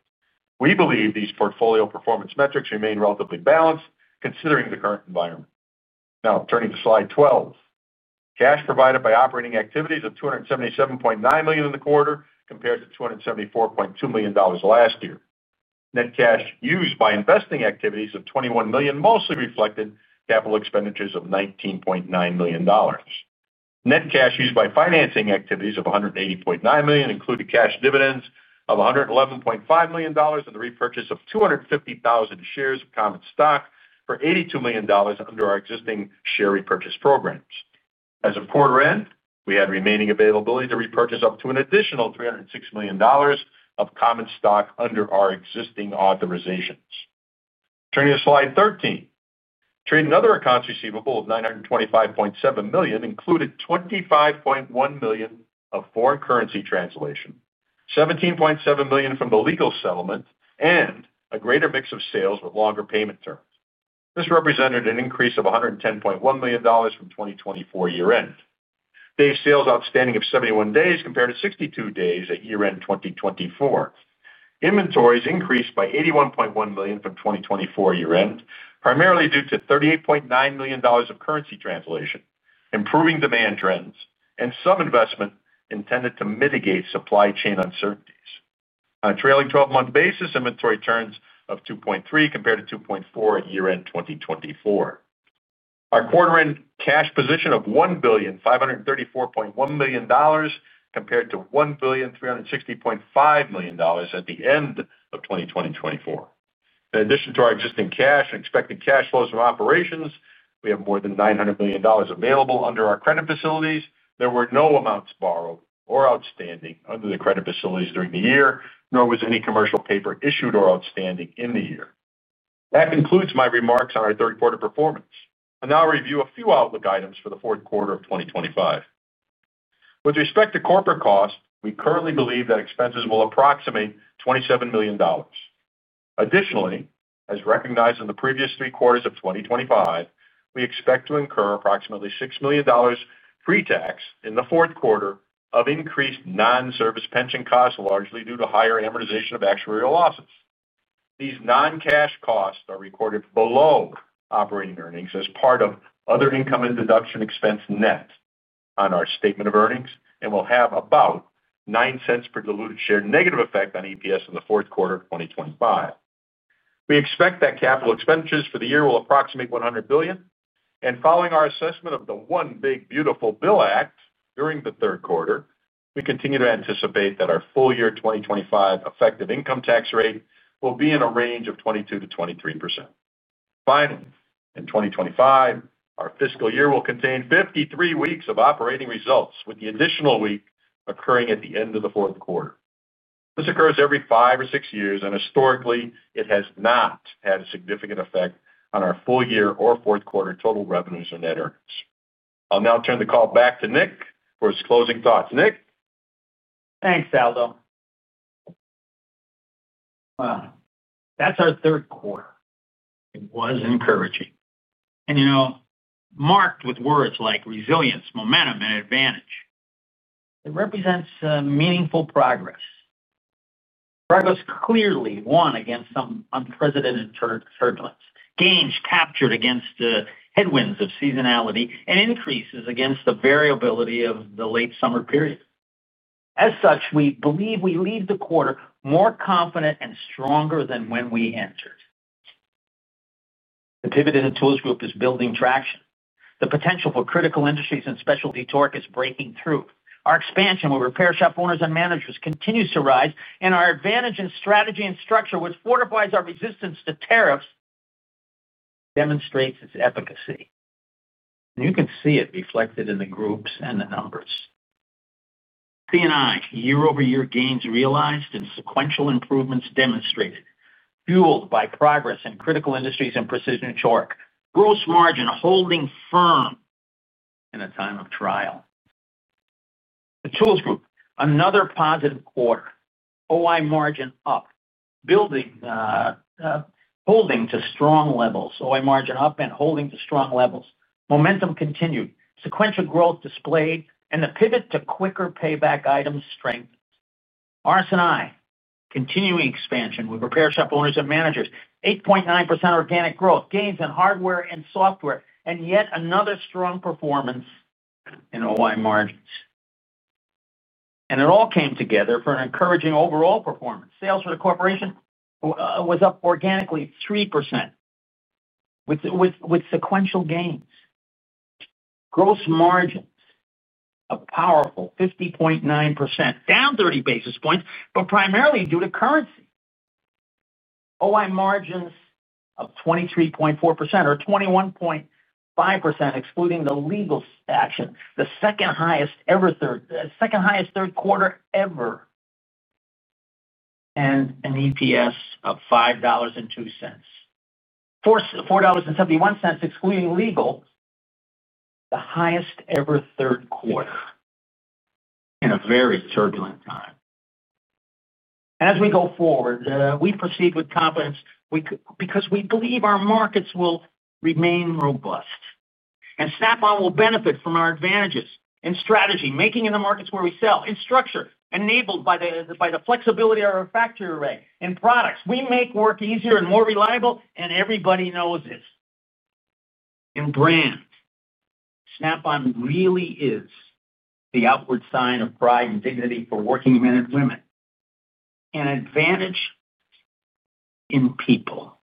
We believe these portfolio performance metrics remain relatively balanced considering the current environment. Now turning to slide 12, cash provided by operating activities of $277.9 million in the quarter compared to $274.2 million last year. Net cash used by investing activities of $21 million mostly reflected capital expenditures of $19.9 million. Net cash used by financing activities of $180.9 million included cash dividends of $111.5 million and the repurchase of 250,000 shares of common stock for $82 million under our existing share repurchase programs. As of quarter end, we had remaining availability to repurchase up to an additional $306 million of common stock under our existing authorizations. Turning to slide 13, trade and other accounts receivable of $925.7 million included $25.1 million of foreign currency translation, $17.7 million from the legal settlement, and a greater mix of sales with longer payment terms. This represented an increase of $110.1 million from 2024 year-end. Day sales outstanding of 71 days compared to 62 days at year-end 2024. Inventories increased by $81.1 million from 2024 year-end, primarily due to $38.9 million of currency translation, improving demand trends, and some investment intended to mitigate supply chain uncertainties. On a trailing 12-month basis, inventory turns of 2.3 compared to 2.4 at year-end 2024. Our quarter-end cash position of $1,534.1 million compared to $1,360.5 million at the end of 2024. In addition to our existing cash and expected cash flows from operations, we have more than $900 million available under our credit facilities. There were no amounts borrowed or outstanding under the credit facilities during the year, nor was any commercial paper issued or outstanding in the year. That concludes my remarks on our third quarter performance. I'll now review a few outlook items for the fourth quarter of 2025. With respect to corporate costs, we currently believe that expenses will approximate $27 million. Additionally, as recognized in the previous three quarters of 2025, we expect to incur approximately $6 million pre-tax in the fourth quarter of increased non-service pension costs, largely due to higher amortization of actuarial losses. These non-cash costs are recorded below operating earnings as part of other income and deduction expense net on our statement of earnings and will have about $0.09 per diluted share negative effect on EPS in the fourth quarter of 2025. We expect that capital expenditures for the year will approximate $100 million. Following our assessment of the One Big Beautiful Bill Act during the third quarter, we continue to anticipate that our full year 2025 effective income tax rate will be in a range of 22%-23%. Finally, in 2025, our fiscal year will contain 53 weeks of operating results, with the additional week occurring at the end of the fourth quarter. This occurs every five or six years, and historically, it has not had a significant effect on our full year or fourth quarter total revenues or net earnings. I'll now turn the call back to Nick for his closing thoughts. Nick? Thanks, Aldo. That’s our third quarter. It was encouraging and marked with words like resilience, momentum, and advantage. It represents meaningful progress. Progress clearly won against some unprecedented turbulence, gains captured against the headwinds of seasonality, and increases against the variability of the late summer period. As such, we believe we leave the quarter more confident and stronger than when we entered. The pivot in the Tools Group is building traction. The potential for critical industries and specialty torque is breaking through. Our expansion with repair shop owners and managers continues to rise, and our advantage in strategy and structure, which fortifies our resistance to tariffs, demonstrates its efficacy. You can see it reflected in the groups and the numbers. CNI, year-over-year gains realized and sequential improvements demonstrated, fueled by progress in critical industries and precision torque. Gross margin holding firm in a time of trial. The Tools Group, another positive quarter. OI margin up, holding to strong levels. OI margin up and holding to strong levels. Momentum continued. Sequential growth displayed, and the pivot to quicker payback items strengthened. RS&I, continuing expansion with repair shop owners and managers. 8.9% organic growth, gains in hardware and software, and yet another strong performance in OI margins. It all came together for an encouraging overall performance. Sales for the corporation was up organically 3% with sequential gains. Gross margins of powerful 50.9%, down 30 basis points, but primarily due to currency. OI margins of 23.4% or 21.5%, excluding the legal action, the second highest third quarter ever, and an EPS of $5.02, $4.71 excluding legal, the highest ever third quarter in a very turbulent time. As we go forward, we proceed with confidence because we believe our markets will remain robust, and Snap-on will benefit from our advantages in strategy, making in the markets where we sell, in structure, enabled by the flexibility of our factory array, in products. We make work easier and more reliable, and everybody knows it. In brand, Snap-on really is the outward sign of pride and dignity for working men and women, an advantage in people.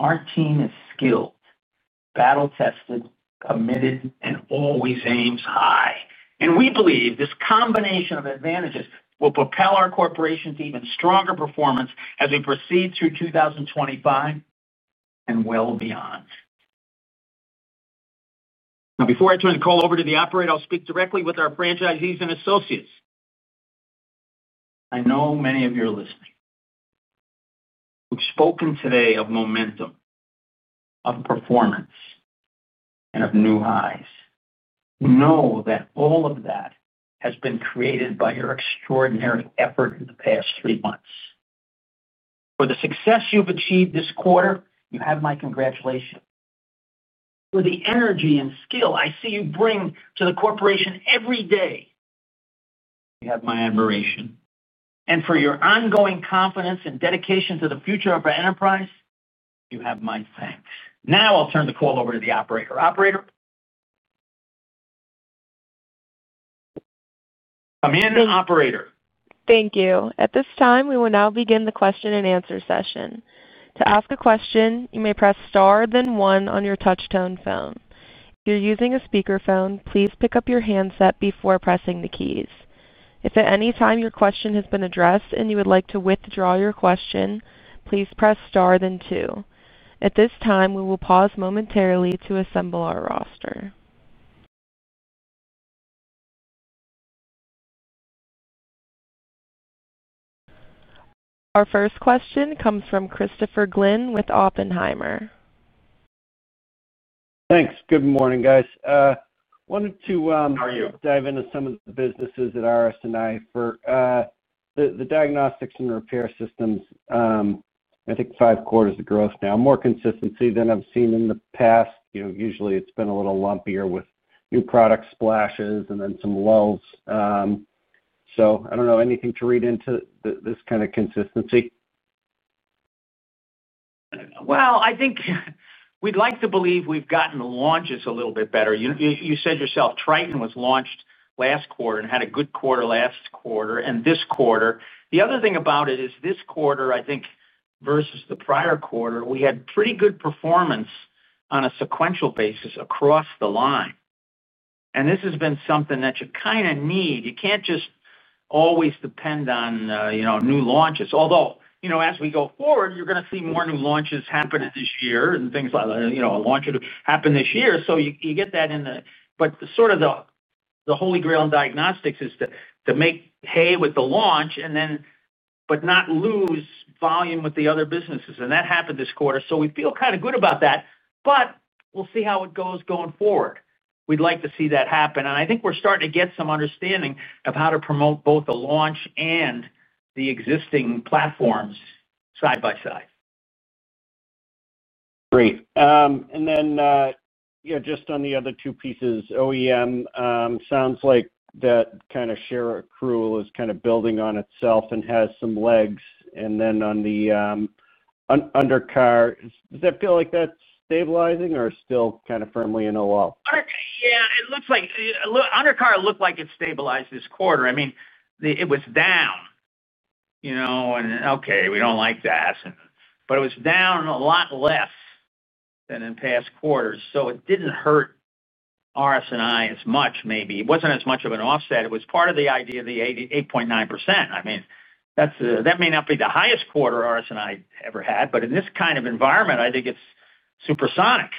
Our team is skilled, battle-tested, committed, and always aims high. We believe this combination of advantages will propel our corporation to even stronger performance as we proceed through 2025 and well beyond. Now, before I turn the call over to the operator, I'll speak directly with our franchisees and associates. I know many of you are listening. We've spoken today of momentum, of performance, and of new highs. We know that all of that has been created by your extraordinary effort in the past three months. For the success you've achieved this quarter, you have my congratulations. For the energy and skill I see you bring to the corporation every day, you have my admiration. For your ongoing confidence and dedication to the future of our enterprise, you have my thanks. Now I'll turn the call over to the operator. Operator, come in, operator. Thank you. At this time, we will now begin the question and answer session. To ask a question, you may press star, then one on your touch-tone phone. If you're using a speaker phone, please pick up your handset before pressing the keys. If at any time your question has been addressed and you would like to withdraw your question, please press star, then two. At this time, we will pause momentarily to assemble our roster. Our first question comes from Christopher Glynn with Oppenheimer. Thanks. Good morning, guys. I wanted to, How are you? Dive into some of the businesses at RS&I for the diagnostics and repair systems. I think five quarters of growth now, more consistency than I've seen in the past. You know, usually, it's been a little lumpier with new product splashes and then some lulls. I don't know anything to read into this kind of consistency. I think we'd like to believe we've gotten the launches a little bit better. You said yourself Triton was launched last quarter and had a good quarter last quarter and this quarter. The other thing about it is this quarter, I think, versus the prior quarter, we had pretty good performance on a sequential basis across the line. This has been something that you kind of need. You can't just always depend on, you know, new launches. Although, you know, as we go forward, you're going to see more new launches happen this year and things like that, a launch happened this year. You get that in, but sort of the holy grail in diagnostics is to make hay with the launch and then not lose volume with the other businesses. That happened this quarter. We feel kind of good about that. We'll see how it goes going forward. We'd like to see that happen. I think we're starting to get some understanding of how to promote both the launch and the existing platforms side by side. Great. On the other two pieces, OEM sounds like that kind of share accrual is building on itself and has some legs. On the undercar, does that feel like that's stabilizing or is it still kind of firmly in OL? Yeah, it looks like undercar looked like it stabilized this quarter. I mean, it was down, and okay, we don't like that, but it was down a lot less than in past quarters. It didn't hurt RS&I as much, maybe. It wasn't as much of an offset. It was part of the idea of the 8.9%. I mean, that may not be the highest quarter RS&I ever had, but in this kind of environment, I think it's supersonic.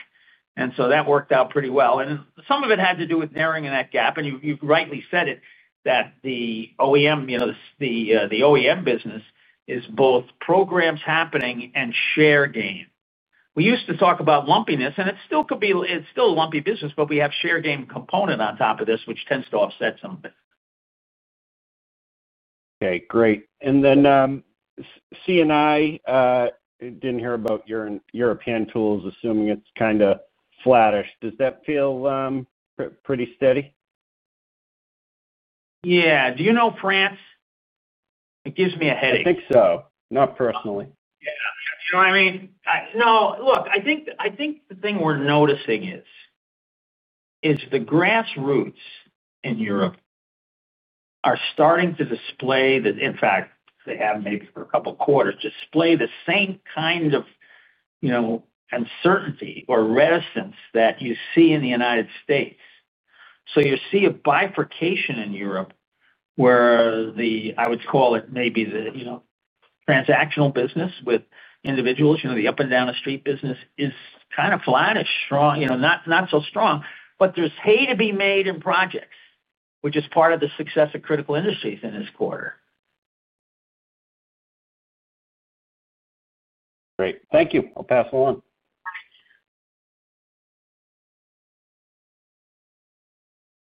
That worked out pretty well. Some of it had to do with narrowing in that gap. You've rightly said it, that the OEM business is both programs happening and share gain. We used to talk about lumpiness, and it still could be, it's still a lumpy business, but we have share gain component on top of this, which tends to offset some of it. Okay, great. CNI, I didn't hear about European tools, assuming it's kind of flattish. Does that feel pretty steady? Yeah, do you know France? It gives me a headache. I think so, not personally. Yeah, you know what I mean? No, look, I think the thing we're noticing is the grassroots in Europe are starting to display, in fact, they have maybe for a couple of quarters, display the same kind of uncertainty or reticence that you see in the United States. You see a bifurcation in Europe where the, I would call it maybe the transactional business with individuals, the up and down the street business, is kind of flattish, strong, not so strong, but there's hay to be made in projects, which is part of the success of critical industries in this quarter. Great, thank you. I'll pass it on.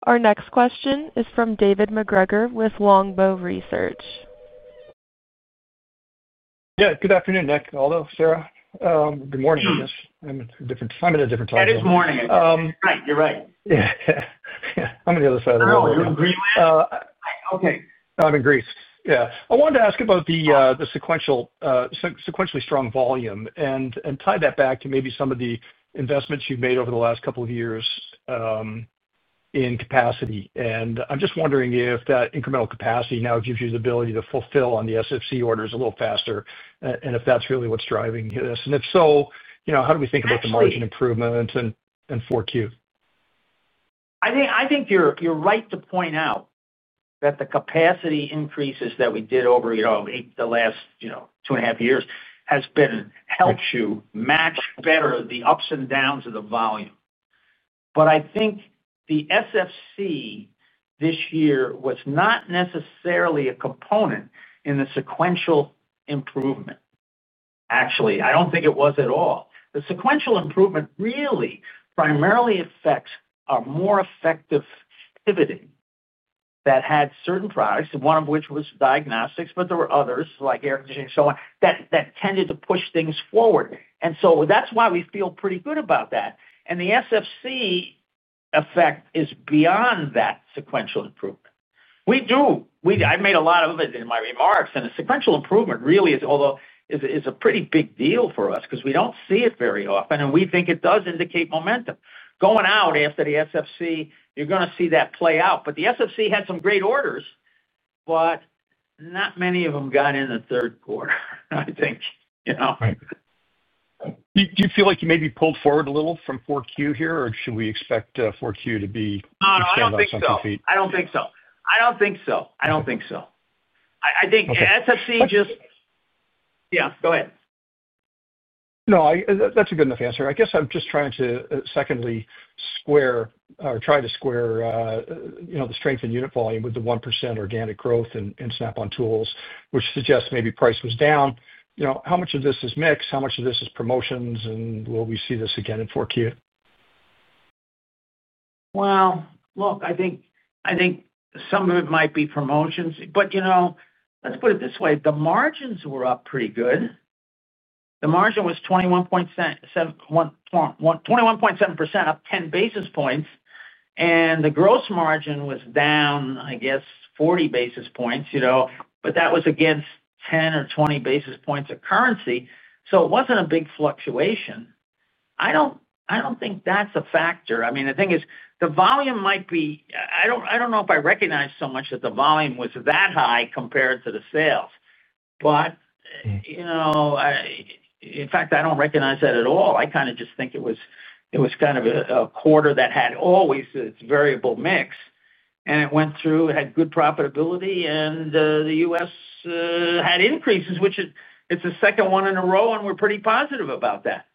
Our next question is from David MacGregor with Longbow Research. Yeah. Good afternoon, Nick. Aldo, Sara, good morning. I'm at a different time. Good morning. You're right. Yeah, I'm on the other side of the world. Oh, you're in Greenland. Okay. I'm in Greece. I wanted to ask about the sequentially strong volume and tie that back to maybe some of the investments you've made over the last couple of years in capacity. I'm just wondering if that incremental capacity now gives you the ability to fulfill on the SFC orders a little faster and if that's really what's driving this. If so, how do we think about the margin improvement and 4Q? I think you're right to point out that the capacity increases that we did over the last two and a half years have helped to match better the ups and downs of the volume. I think the SFC this year was not necessarily a component in the sequential improvement. Actually, I don't think it was at all. The sequential improvement really primarily reflects a more effective pivoting that had certain products, one of which was diagnostics, but there were others like air conditioning and so on that tended to push things forward. That's why we feel pretty good about that. The SFC effect is beyond that sequential improvement. I made a lot of it in my remarks. The sequential improvement really is, although, a pretty big deal for us because we don't see it very often, and we think it does indicate momentum. Going out after the SFC, you're going to see that play out. The SFC had some great orders, but not many of them got in the third quarter, I think. Right. Do you feel like you may be pulled forward a little from 4Q here, or should we expect 4Q to be expanding some feet? I don't think so. I think SFC just, yeah, go ahead. No, that's a good enough answer. I guess I'm just trying to secondly square or try to square the strength in unit volume with the 1% organic growth in Snap-on tools, which suggests maybe price was down. How much of this is mix? How much of this is promotions? Will we see this again in 4Q? I think some of it might be promotions. You know, let's put it this way. The margins were up pretty good. The margin was 21.7%, up 10 basis points. The gross margin was down, I guess, 40 basis points. You know, that was against 10 or 20 basis points of currency, so it wasn't a big fluctuation. I don't think that's a factor. The thing is, the volume might be, I don't know if I recognize so much that the volume was that high compared to the sales. In fact, I don't recognize that at all. I kind of just think it was kind of a quarter that had always its variable mix, and it went through. It had good profitability, and the U.S. had increases, which is the second one in a row, and we're pretty positive about that.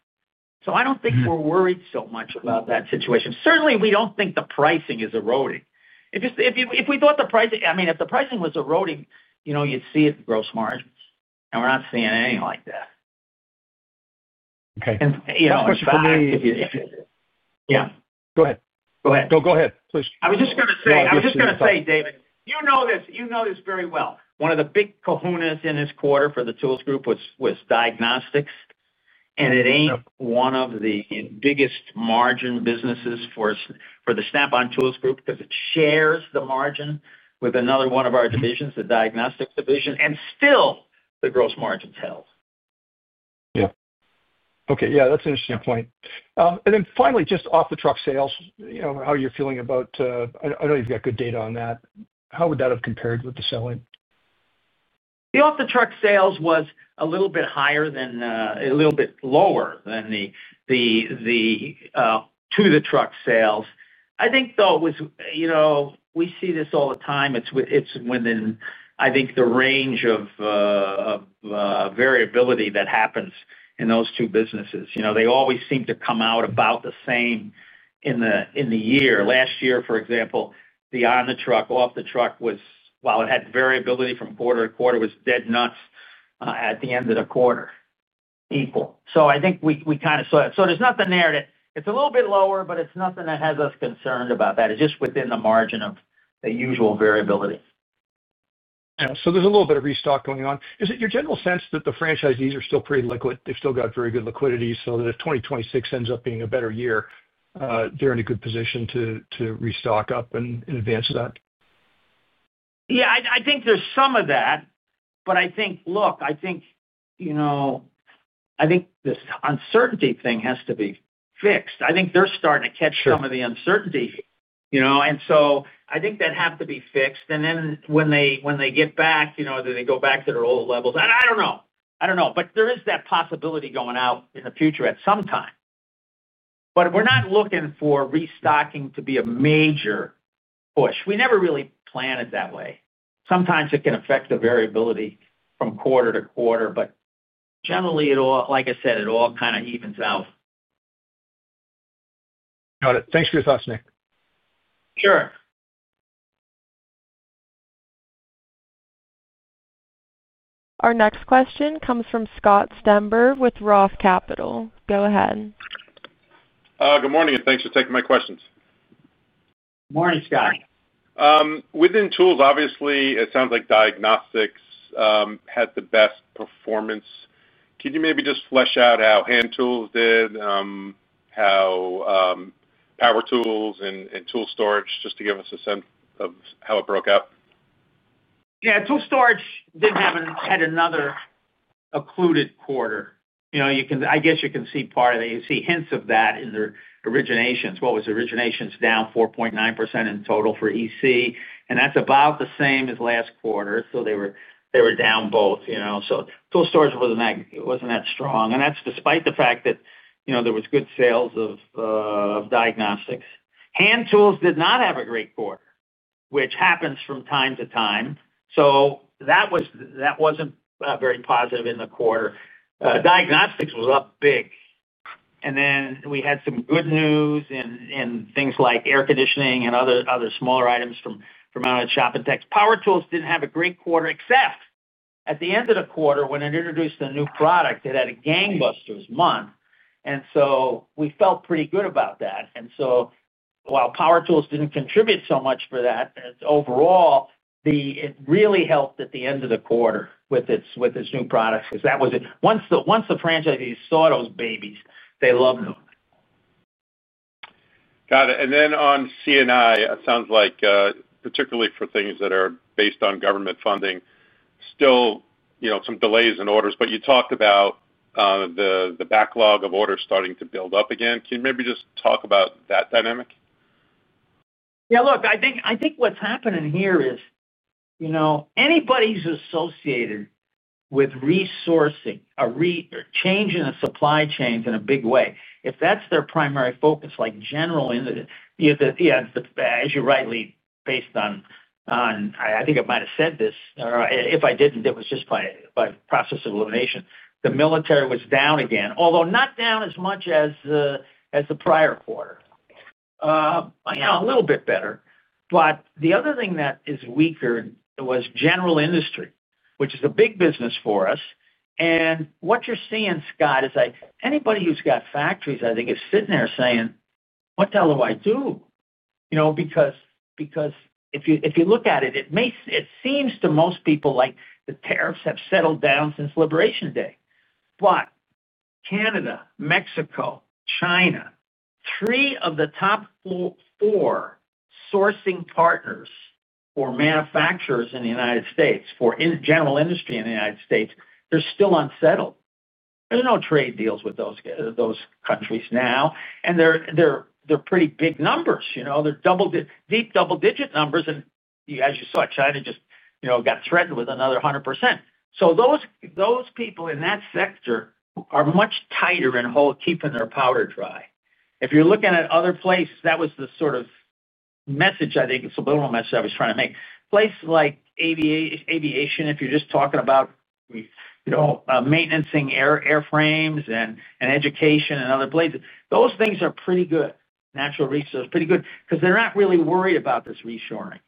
I don't think we're worried so much about that situation. Certainly, we don't think the pricing is eroding. If we thought the pricing, I mean, if the pricing was eroding, you'd see it in gross margins, and we're not seeing anything like that. Okay, for me, go ahead. No, go ahead, please. I was just going to say, David, you know this very well. One of the big kahunas in this quarter for the Tools Group was diagnostics. It isn't one of the biggest margin businesses for the Snap-on Tools Group because it shares the margin with another one of our divisions, the Diagnostics division, and still the gross margins held. Yeah, that's an interesting point. Finally, just off-the-truck sales, you know, how you're feeling about, I know you've got good data on that. How would that have compared with the selling? The off-the-truck sales was a little bit higher than the to-the-truck sales. I think, though, it was, you know, we see this all the time. It's within, I think, the range of variability that happens in those two businesses. You know, they always seem to come out about the same in the year. Last year, for example, the on-the-truck, off-the-truck was, while it had variability from quarter to quarter, was dead nuts at the end of the quarter, equal. I think we kind of saw that. There's nothing there that it's a little bit lower, but it's nothing that has us concerned about that. It's just within the margin of the usual variability. Yeah, there's a little bit of restock going on. Is it your general sense that the franchisees are still pretty liquid? They've still got very good liquidity so that if 2026 ends up being a better year, they're in a good position to restock up and advance that? I think there's some of that. I think this uncertainty thing has to be fixed. I think they're starting to catch some of the uncertainty, and so I think that has to be fixed. When they get back, do they go back to their old levels? I don't know. I don't know, but there is that possibility going out in the future at some time. We're not looking for restocking to be a major push. We never really plan it that way. Sometimes it can affect the variability from quarter to quarter, but generally, like I said, it all kind of evens out. Got it. Thanks for your thoughts, Nick. Sure. Our next question comes from Scott Stember with ROTH Capital. Go ahead. Good morning, and thanks for taking my questions. Morning, Scott. Within tools, obviously, it sounds like diagnostics had the best performance. Can you maybe just flesh out how hand tools did, how power tools and tool storage, just to give us a sense of how it broke up? Yeah, tool storage did have another occluded quarter. You know, I guess you can see part of that. You see hints of that in their originations. Originations were down 4.9% in total for EC, and that's about the same as last quarter. They were down both. Tool storage wasn't that strong, and that's despite the fact that there was good sales of diagnostics. Hand tools did not have a great quarter, which happens from time to time. That wasn't very positive in the quarter. Diagnostics was up big, and then we had some good news in things like air conditioning and other smaller items from out of the shop and techs. Power tools didn't have a great quarter, except at the end of the quarter when it introduced a new product. It had a gangbusters month, and we felt pretty good about that. While power tools didn't contribute so much for that overall, it really helped at the end of the quarter with its new products because once the franchisees saw those babies, they loved them. Got it. On CNI, it sounds like, particularly for things that are based on government funding, still some delays in orders. You talked about the backlog of orders starting to build up again. Can you maybe just talk about that dynamic? Yeah, look, I think what's happening here is, you know, anybody who's associated with resourcing a change in the supply chains in a big way, if that's their primary focus, like generally, as you rightly based on, I think I might have said this, or if I didn't, it was just by process of elimination. The military was down again, although not down as much as the prior quarter, a little bit better. The other thing that is weaker was general industry, which is a big business for us. What you're seeing, Scott, is like anybody who's got factories is sitting there saying, "What the hell do I do?" If you look at it, it seems to most people like the tariffs have settled down since Liberation Day. Canada, Mexico, China, three of the top four sourcing partners or manufacturers in the United States for general industry in the United States, they're still unsettled. There's no trade deals with those countries now, and they're pretty big numbers. They're deep double-digit numbers. As you saw, China just got threatened with another 100%. Those people in that sector are much tighter in keeping their powder dry. If you're looking at other places, that was the sort of message, I think, it's a literal message I was trying to make. Places like aviation, if you're just talking about maintenancing airframes and education and other places, those things are pretty good. Natural resources, pretty good, because they're not really worried about this reshoring.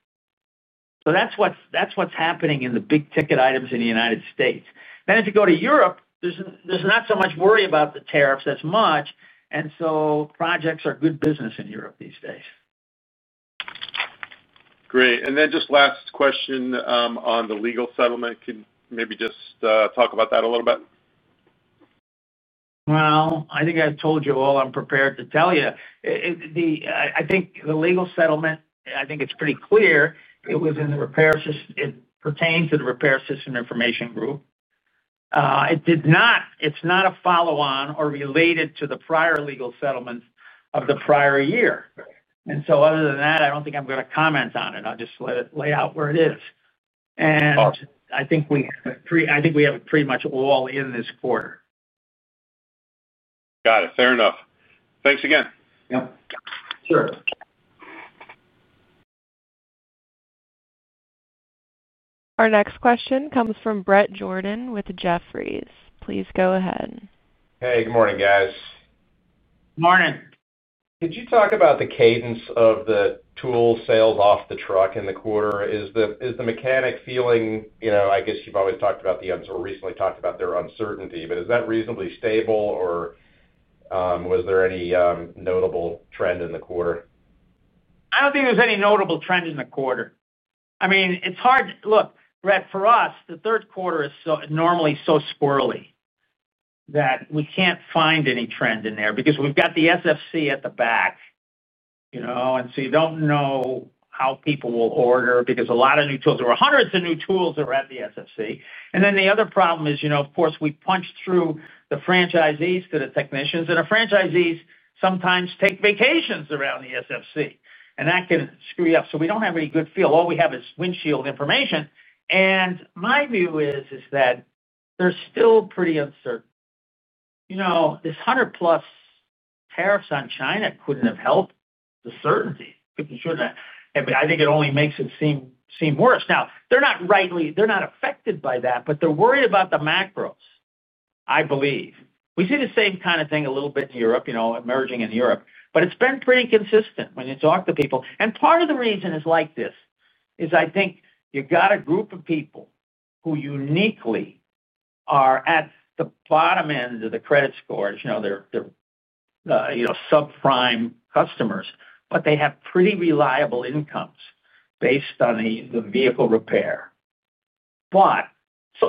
That's what's happening in the big-ticket items in the United States. If you go to Europe, there's not so much worry about the tariffs as much, and projects are good business in Europe these days. Great. Just last question on the legal settlement. Can you maybe just talk about that a little bit? I think I've told you all I'm prepared to tell you. I think the legal settlement is pretty clear. It was in the repair system. It pertains to the Repair Systems & Information Group. It is not a follow-on or related to the prior legal settlements of the prior year. Other than that, I don't think I'm going to comment on it. I'll just let it lay out where it is. I think we have it pretty much all in this quarter. Got it. Fair enough. Thanks again. Yep. Sure. Our next question comes from Bret Jordan with Jefferies. Please go ahead. Hey, good morning, guys. Morning. Could you talk about the cadence of the tool sales off the truck in the quarter? Is the mechanic feeling, you know, I guess you've always talked about the uncertainty, but is that reasonably stable, or was there any notable trend in the quarter? I don't think there's any notable trend in the quarter. I mean, it's hard to look, Brett, for us, the third quarter is normally so squirrely that we can't find any trend in there because we've got the SFC at the back. You know, you don't know how people will order because a lot of new tools, there were hundreds of new tools that were at the SFC. The other problem is, of course, we punch through the franchisees to the technicians, and the franchisees sometimes take vacations around the SFC. That can screw you up. We don't have any good feel. All we have is windshield information. My view is that they're still pretty uncertain. This 100+% tariffs on China couldn't have helped the certainty. I think it only makes it seem worse. They're not rightly affected by that, but they're worried about the macros, I believe. We see the same kind of thing a little bit in Europe, emerging in Europe. It's been pretty consistent when you talk to people. Part of the reason is like this, I think you've got a group of people who uniquely are at the bottom end of the credit scores. They're subprime customers, but they have pretty reliable incomes based on the vehicle repair.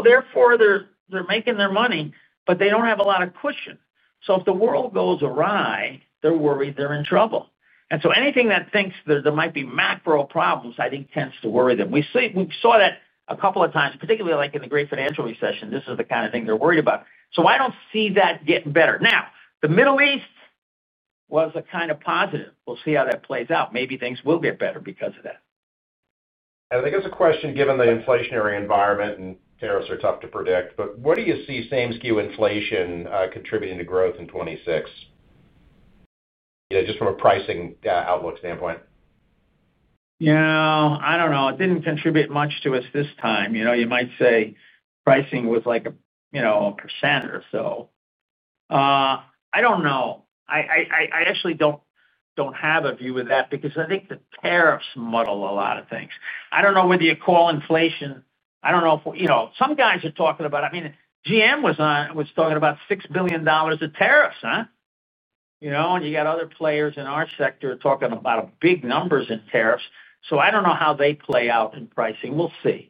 Therefore, they're making their money, but they don't have a lot of cushion. If the world goes awry, they're worried they're in trouble. Anything that thinks there might be macro problems, I think, tends to worry them. We saw that a couple of times, particularly like in the Great Financial Recession. This is the kind of thing they're worried about. I don't see that getting better. The Middle East was a kind of positive. We'll see how that plays out. Maybe things will get better because of that. Given the inflationary environment and tariffs are tough to predict, what do you see same-skew inflation contributing to growth in 2026, just from a pricing outlook standpoint? Yeah, I don't know. It didn't contribute much to us this time. You might say pricing was like a, you know, a % or so. I don't know. I actually don't have a view of that because I think the tariffs muddle a lot of things. I don't know whether you call inflation. I don't know if, you know, some guys are talking about, I mean, GM was on, was talking about $6 billion of tariffs, huh? You know, and you got other players in our sector talking about big numbers in tariffs. I don't know how they play out in pricing. We'll see.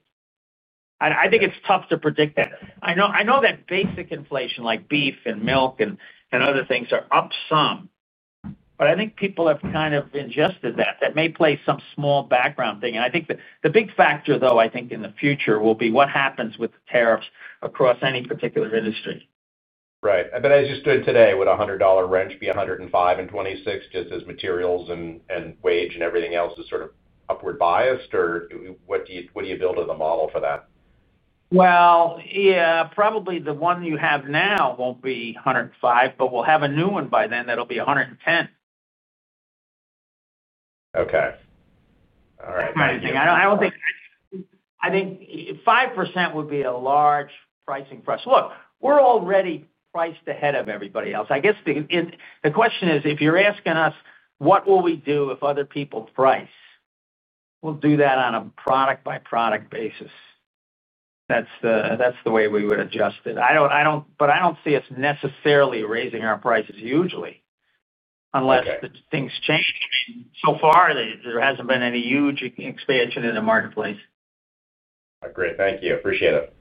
I think it's tough to predict that. I know that basic inflation like beef and milk and other things are up some. I think people have kind of ingested that. That may play some small background thing. I think the big factor, though, in the future will be what happens with the tariffs across any particular industry. Right. As you stood today, would a $100 wrench be $105 in 2026, just as materials and wage and everything else is sort of upward biased? What do you build in the model for that? Probably the one you have now won't be $105, but we'll have a new one by then that'll be $110. Okay. All right. I think 5% would be a large pricing press. Look, we're already priced ahead of everybody else. I guess the question is, if you're asking us what will we do if other people price, we'll do that on a product-by-product basis. That's the way we would adjust it. I don't see us necessarily raising our prices hugely unless things change. So far, there hasn't been any huge expansion in the marketplace. Great, thank you. Appreciate it.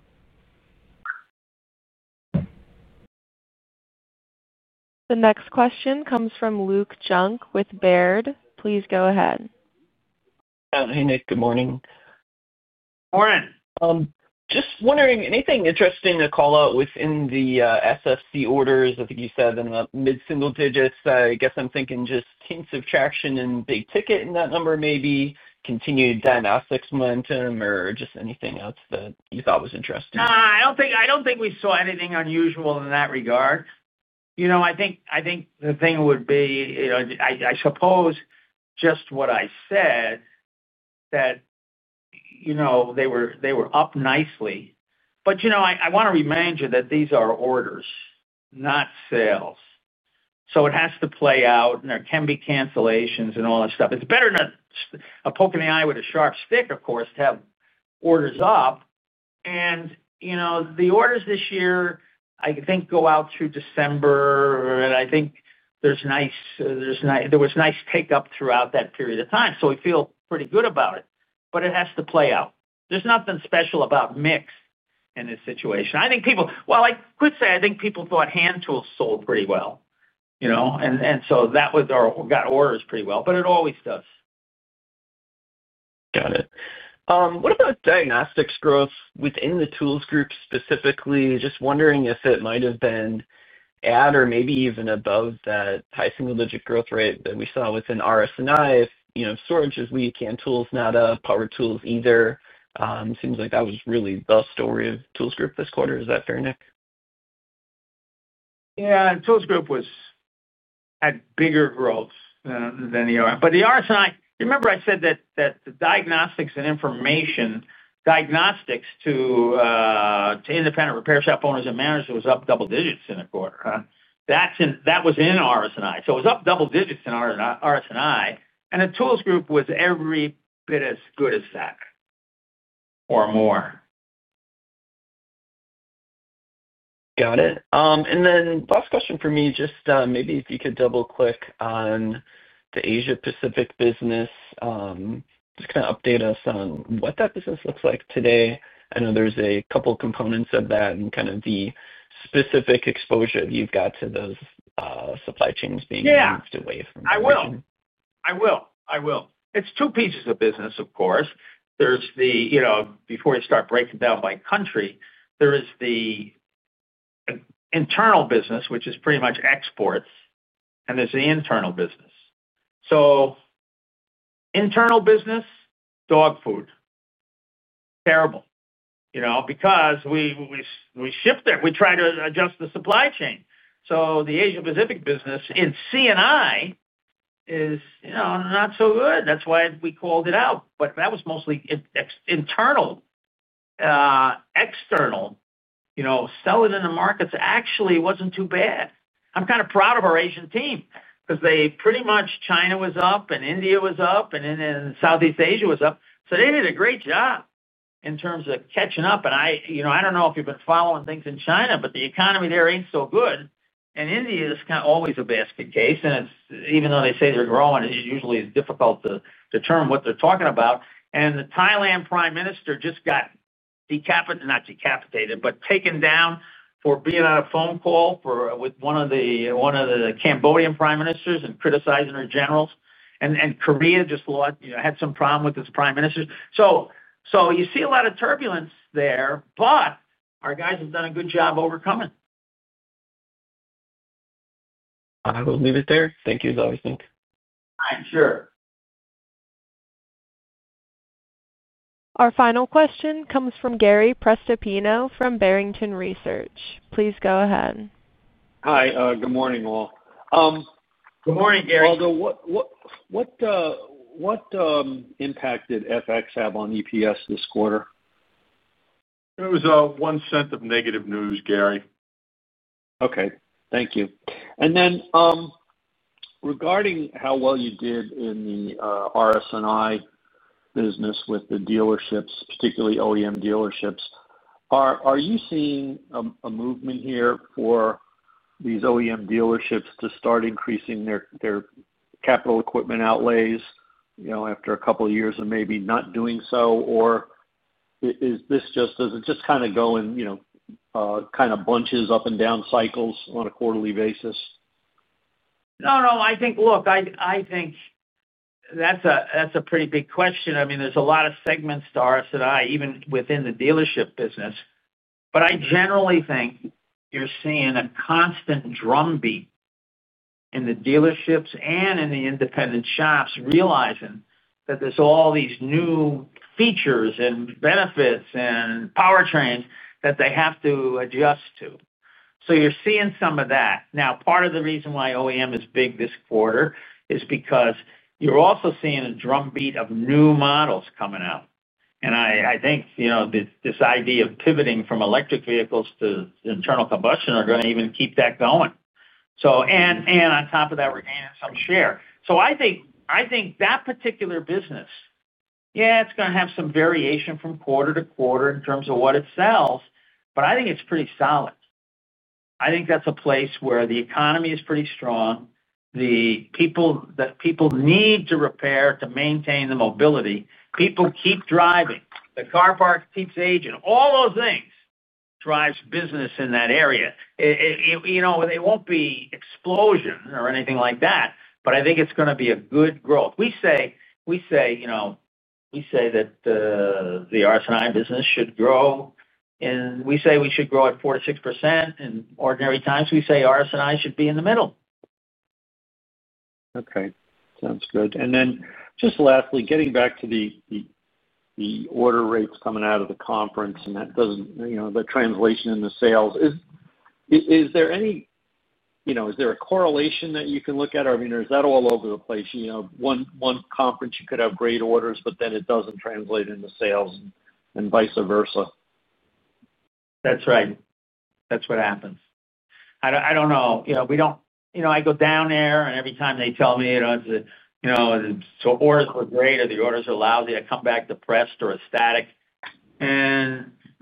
The next question comes from Luke Junk with Baird. Please go ahead. Hey, Nick. Good morning. Morning. Just wondering, anything interesting to call out within the SFC orders? I think you said in the mid-single digits. I guess I'm thinking just hints of traction in big ticket in that number, maybe continued diagnostics momentum or just anything else that you thought was interesting? I don't think we saw anything unusual in that regard. I think the thing would be, I suppose just what I said, that they were up nicely. I want to remind you that these are orders, not sales. It has to play out, and there can be cancellations and all that stuff. It's better than a poke in the eye with a sharp stick, of course, to have orders up. The orders this year, I think, go out through December, and I think there was nice takeup throughout that period of time. We feel pretty good about it. It has to play out. There's nothing special about mix in this situation. I think people thought hand tools sold pretty well, and so that got orders pretty well, but it always does. Got it. What about diagnostics growth within the Tools Group specifically? Just wondering if it might have been at or maybe even above that high single-digit growth rate that we saw within RS&I, if you know storage is weak, hand tools not up, power tools either. It seems like that was really the story of the Tools Group this quarter. Is that fair, Nick? Yeah, the Tools Group had bigger growth than the RS&I. The RS&I, remember I said that the diagnostics and information diagnostics to independent repair shop owners and managers was up double digits in a quarter. That was in RS&I. It was up double digits in RS&I, and the Tools Group was every bit as good as that or more. Got it. Last question for me, just maybe if you could double-click on the Asia-Pacific business, just kind of update us on what that business looks like today. I know there's a couple of components to that. Kind of the specific exposure that you've got to those supply chains being moved away from. It's two pieces of business, of course. There's the, you know, before you start breaking down by country, there is the internal business, which is pretty much exports, and there's the internal business. Internal business, dog food. Terrible. You know, because we ship there. We try to adjust the supply chain. The Asia-Pacific business in CNI Group is, you know, not so good. That's why we called it out. That was mostly internal. External, you know, selling in the markets actually wasn't too bad. I'm kind of proud of our Asian team because they pretty much, China was up and India was up and then Southeast Asia was up. They did a great job in terms of catching up. I don't know if you've been following things in China, but the economy there ain't so good. India is kind of always a basket case. Even though they say they're growing, it usually is difficult to determine what they're talking about. The Thailand Prime Minister just got decapitated, not decapitated, but taken down for being on a phone call with one of the Cambodian Prime Ministers and criticizing her generals. Korea just, you know, had some problem with its Prime Ministers. You see a lot of turbulence there, but our guys have done a good job overcoming it. I will leave it there. Thank you as always, Nick. All right. Sure. Our final question comes from Gary Prestopino from Barrington Research. Please go ahead. Hi. Good morning, all. Good morning, Gary. What impact did FX have on EPS this quarter? It was $0.01 of negative news, Gary. Thank you. Regarding how well you did in the RS&I business with the dealerships, particularly OEM dealerships, are you seeing a movement here for these OEM dealerships to start increasing their capital equipment outlays after a couple of years of maybe not doing so? Does it just kind of go in bunches up and down cycles on a quarterly basis? I think that's a pretty big question. I mean, there's a lot of segments to RS&I, even within the dealership business. I generally think you're seeing a constant drumbeat in the dealerships and in the independent shops realizing that there's all these new features and benefits and powertrains that they have to adjust to. You're seeing some of that. Part of the reason why OEM is big this quarter is because you're also seeing a drumbeat of new models coming out. I think this idea of pivoting from electric vehicles to internal combustion is going to even keep that going. On top of that, we're gaining some share. I think that particular business, yeah, it's going to have some variation from quarter to quarter in terms of what it sells, but I think it's pretty solid. I think that's a place where the economy is pretty strong. People need to repair to maintain the mobility. People keep driving. The car park keeps aging. All those things drive business in that area. It won't be explosions or anything like that, but I think it's going to be a good growth. We say the RS&I business should grow, and we say we should grow at 4% to 6% in ordinary times. We say RS&I should be in the middle. Okay. Sounds good. Lastly, getting back to the order rates coming out of the conference and that doesn't, you know, the translation into sales. Is there any, you know, is there a correlation that you can look at? Or is that all over the place? You know, one conference, you could have great orders, but then it doesn't translate into sales and vice versa. That's right. That's what happens. I don't know. We don't, you know, I go down there and every time they tell me it's a, you know, orders were great or the orders are lousy, I come back depressed or ecstatic.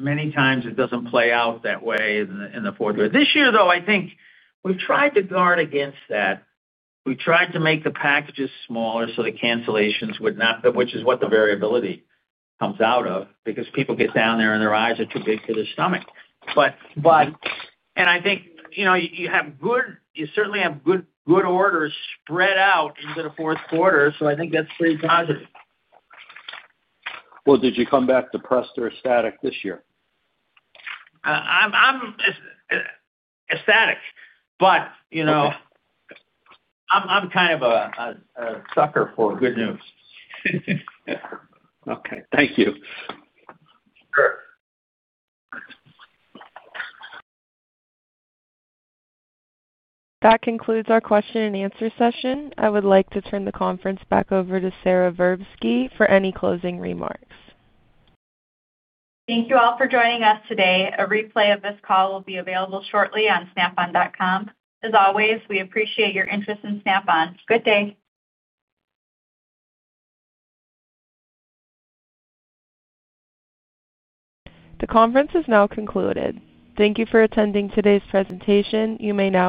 Many times it doesn't play out that way in the fourth year. This year, though, I think we've tried to guard against that. We tried to make the packages smaller so the cancellations would not, which is what the variability comes out of, because people get down there and their eyes are too big for their stomach. I think you have good, you certainly have good, good orders spread out into the fourth quarter. I think that's pretty positive. Did you come back depressed or ecstatic this year? I'm ecstatic, you know. I'm kind of a sucker for good news. Okay, thank you. Sure. That concludes our question and answer session. I would like to turn the conference back over to Sara Verbsky for any closing remarks. Thank you all for joining us today. A replay of this call will be available shortly on snap-on.com. As always, we appreciate your interest in Snap-on. Good day. The conference is now concluded. Thank you for attending today's presentation. You may now.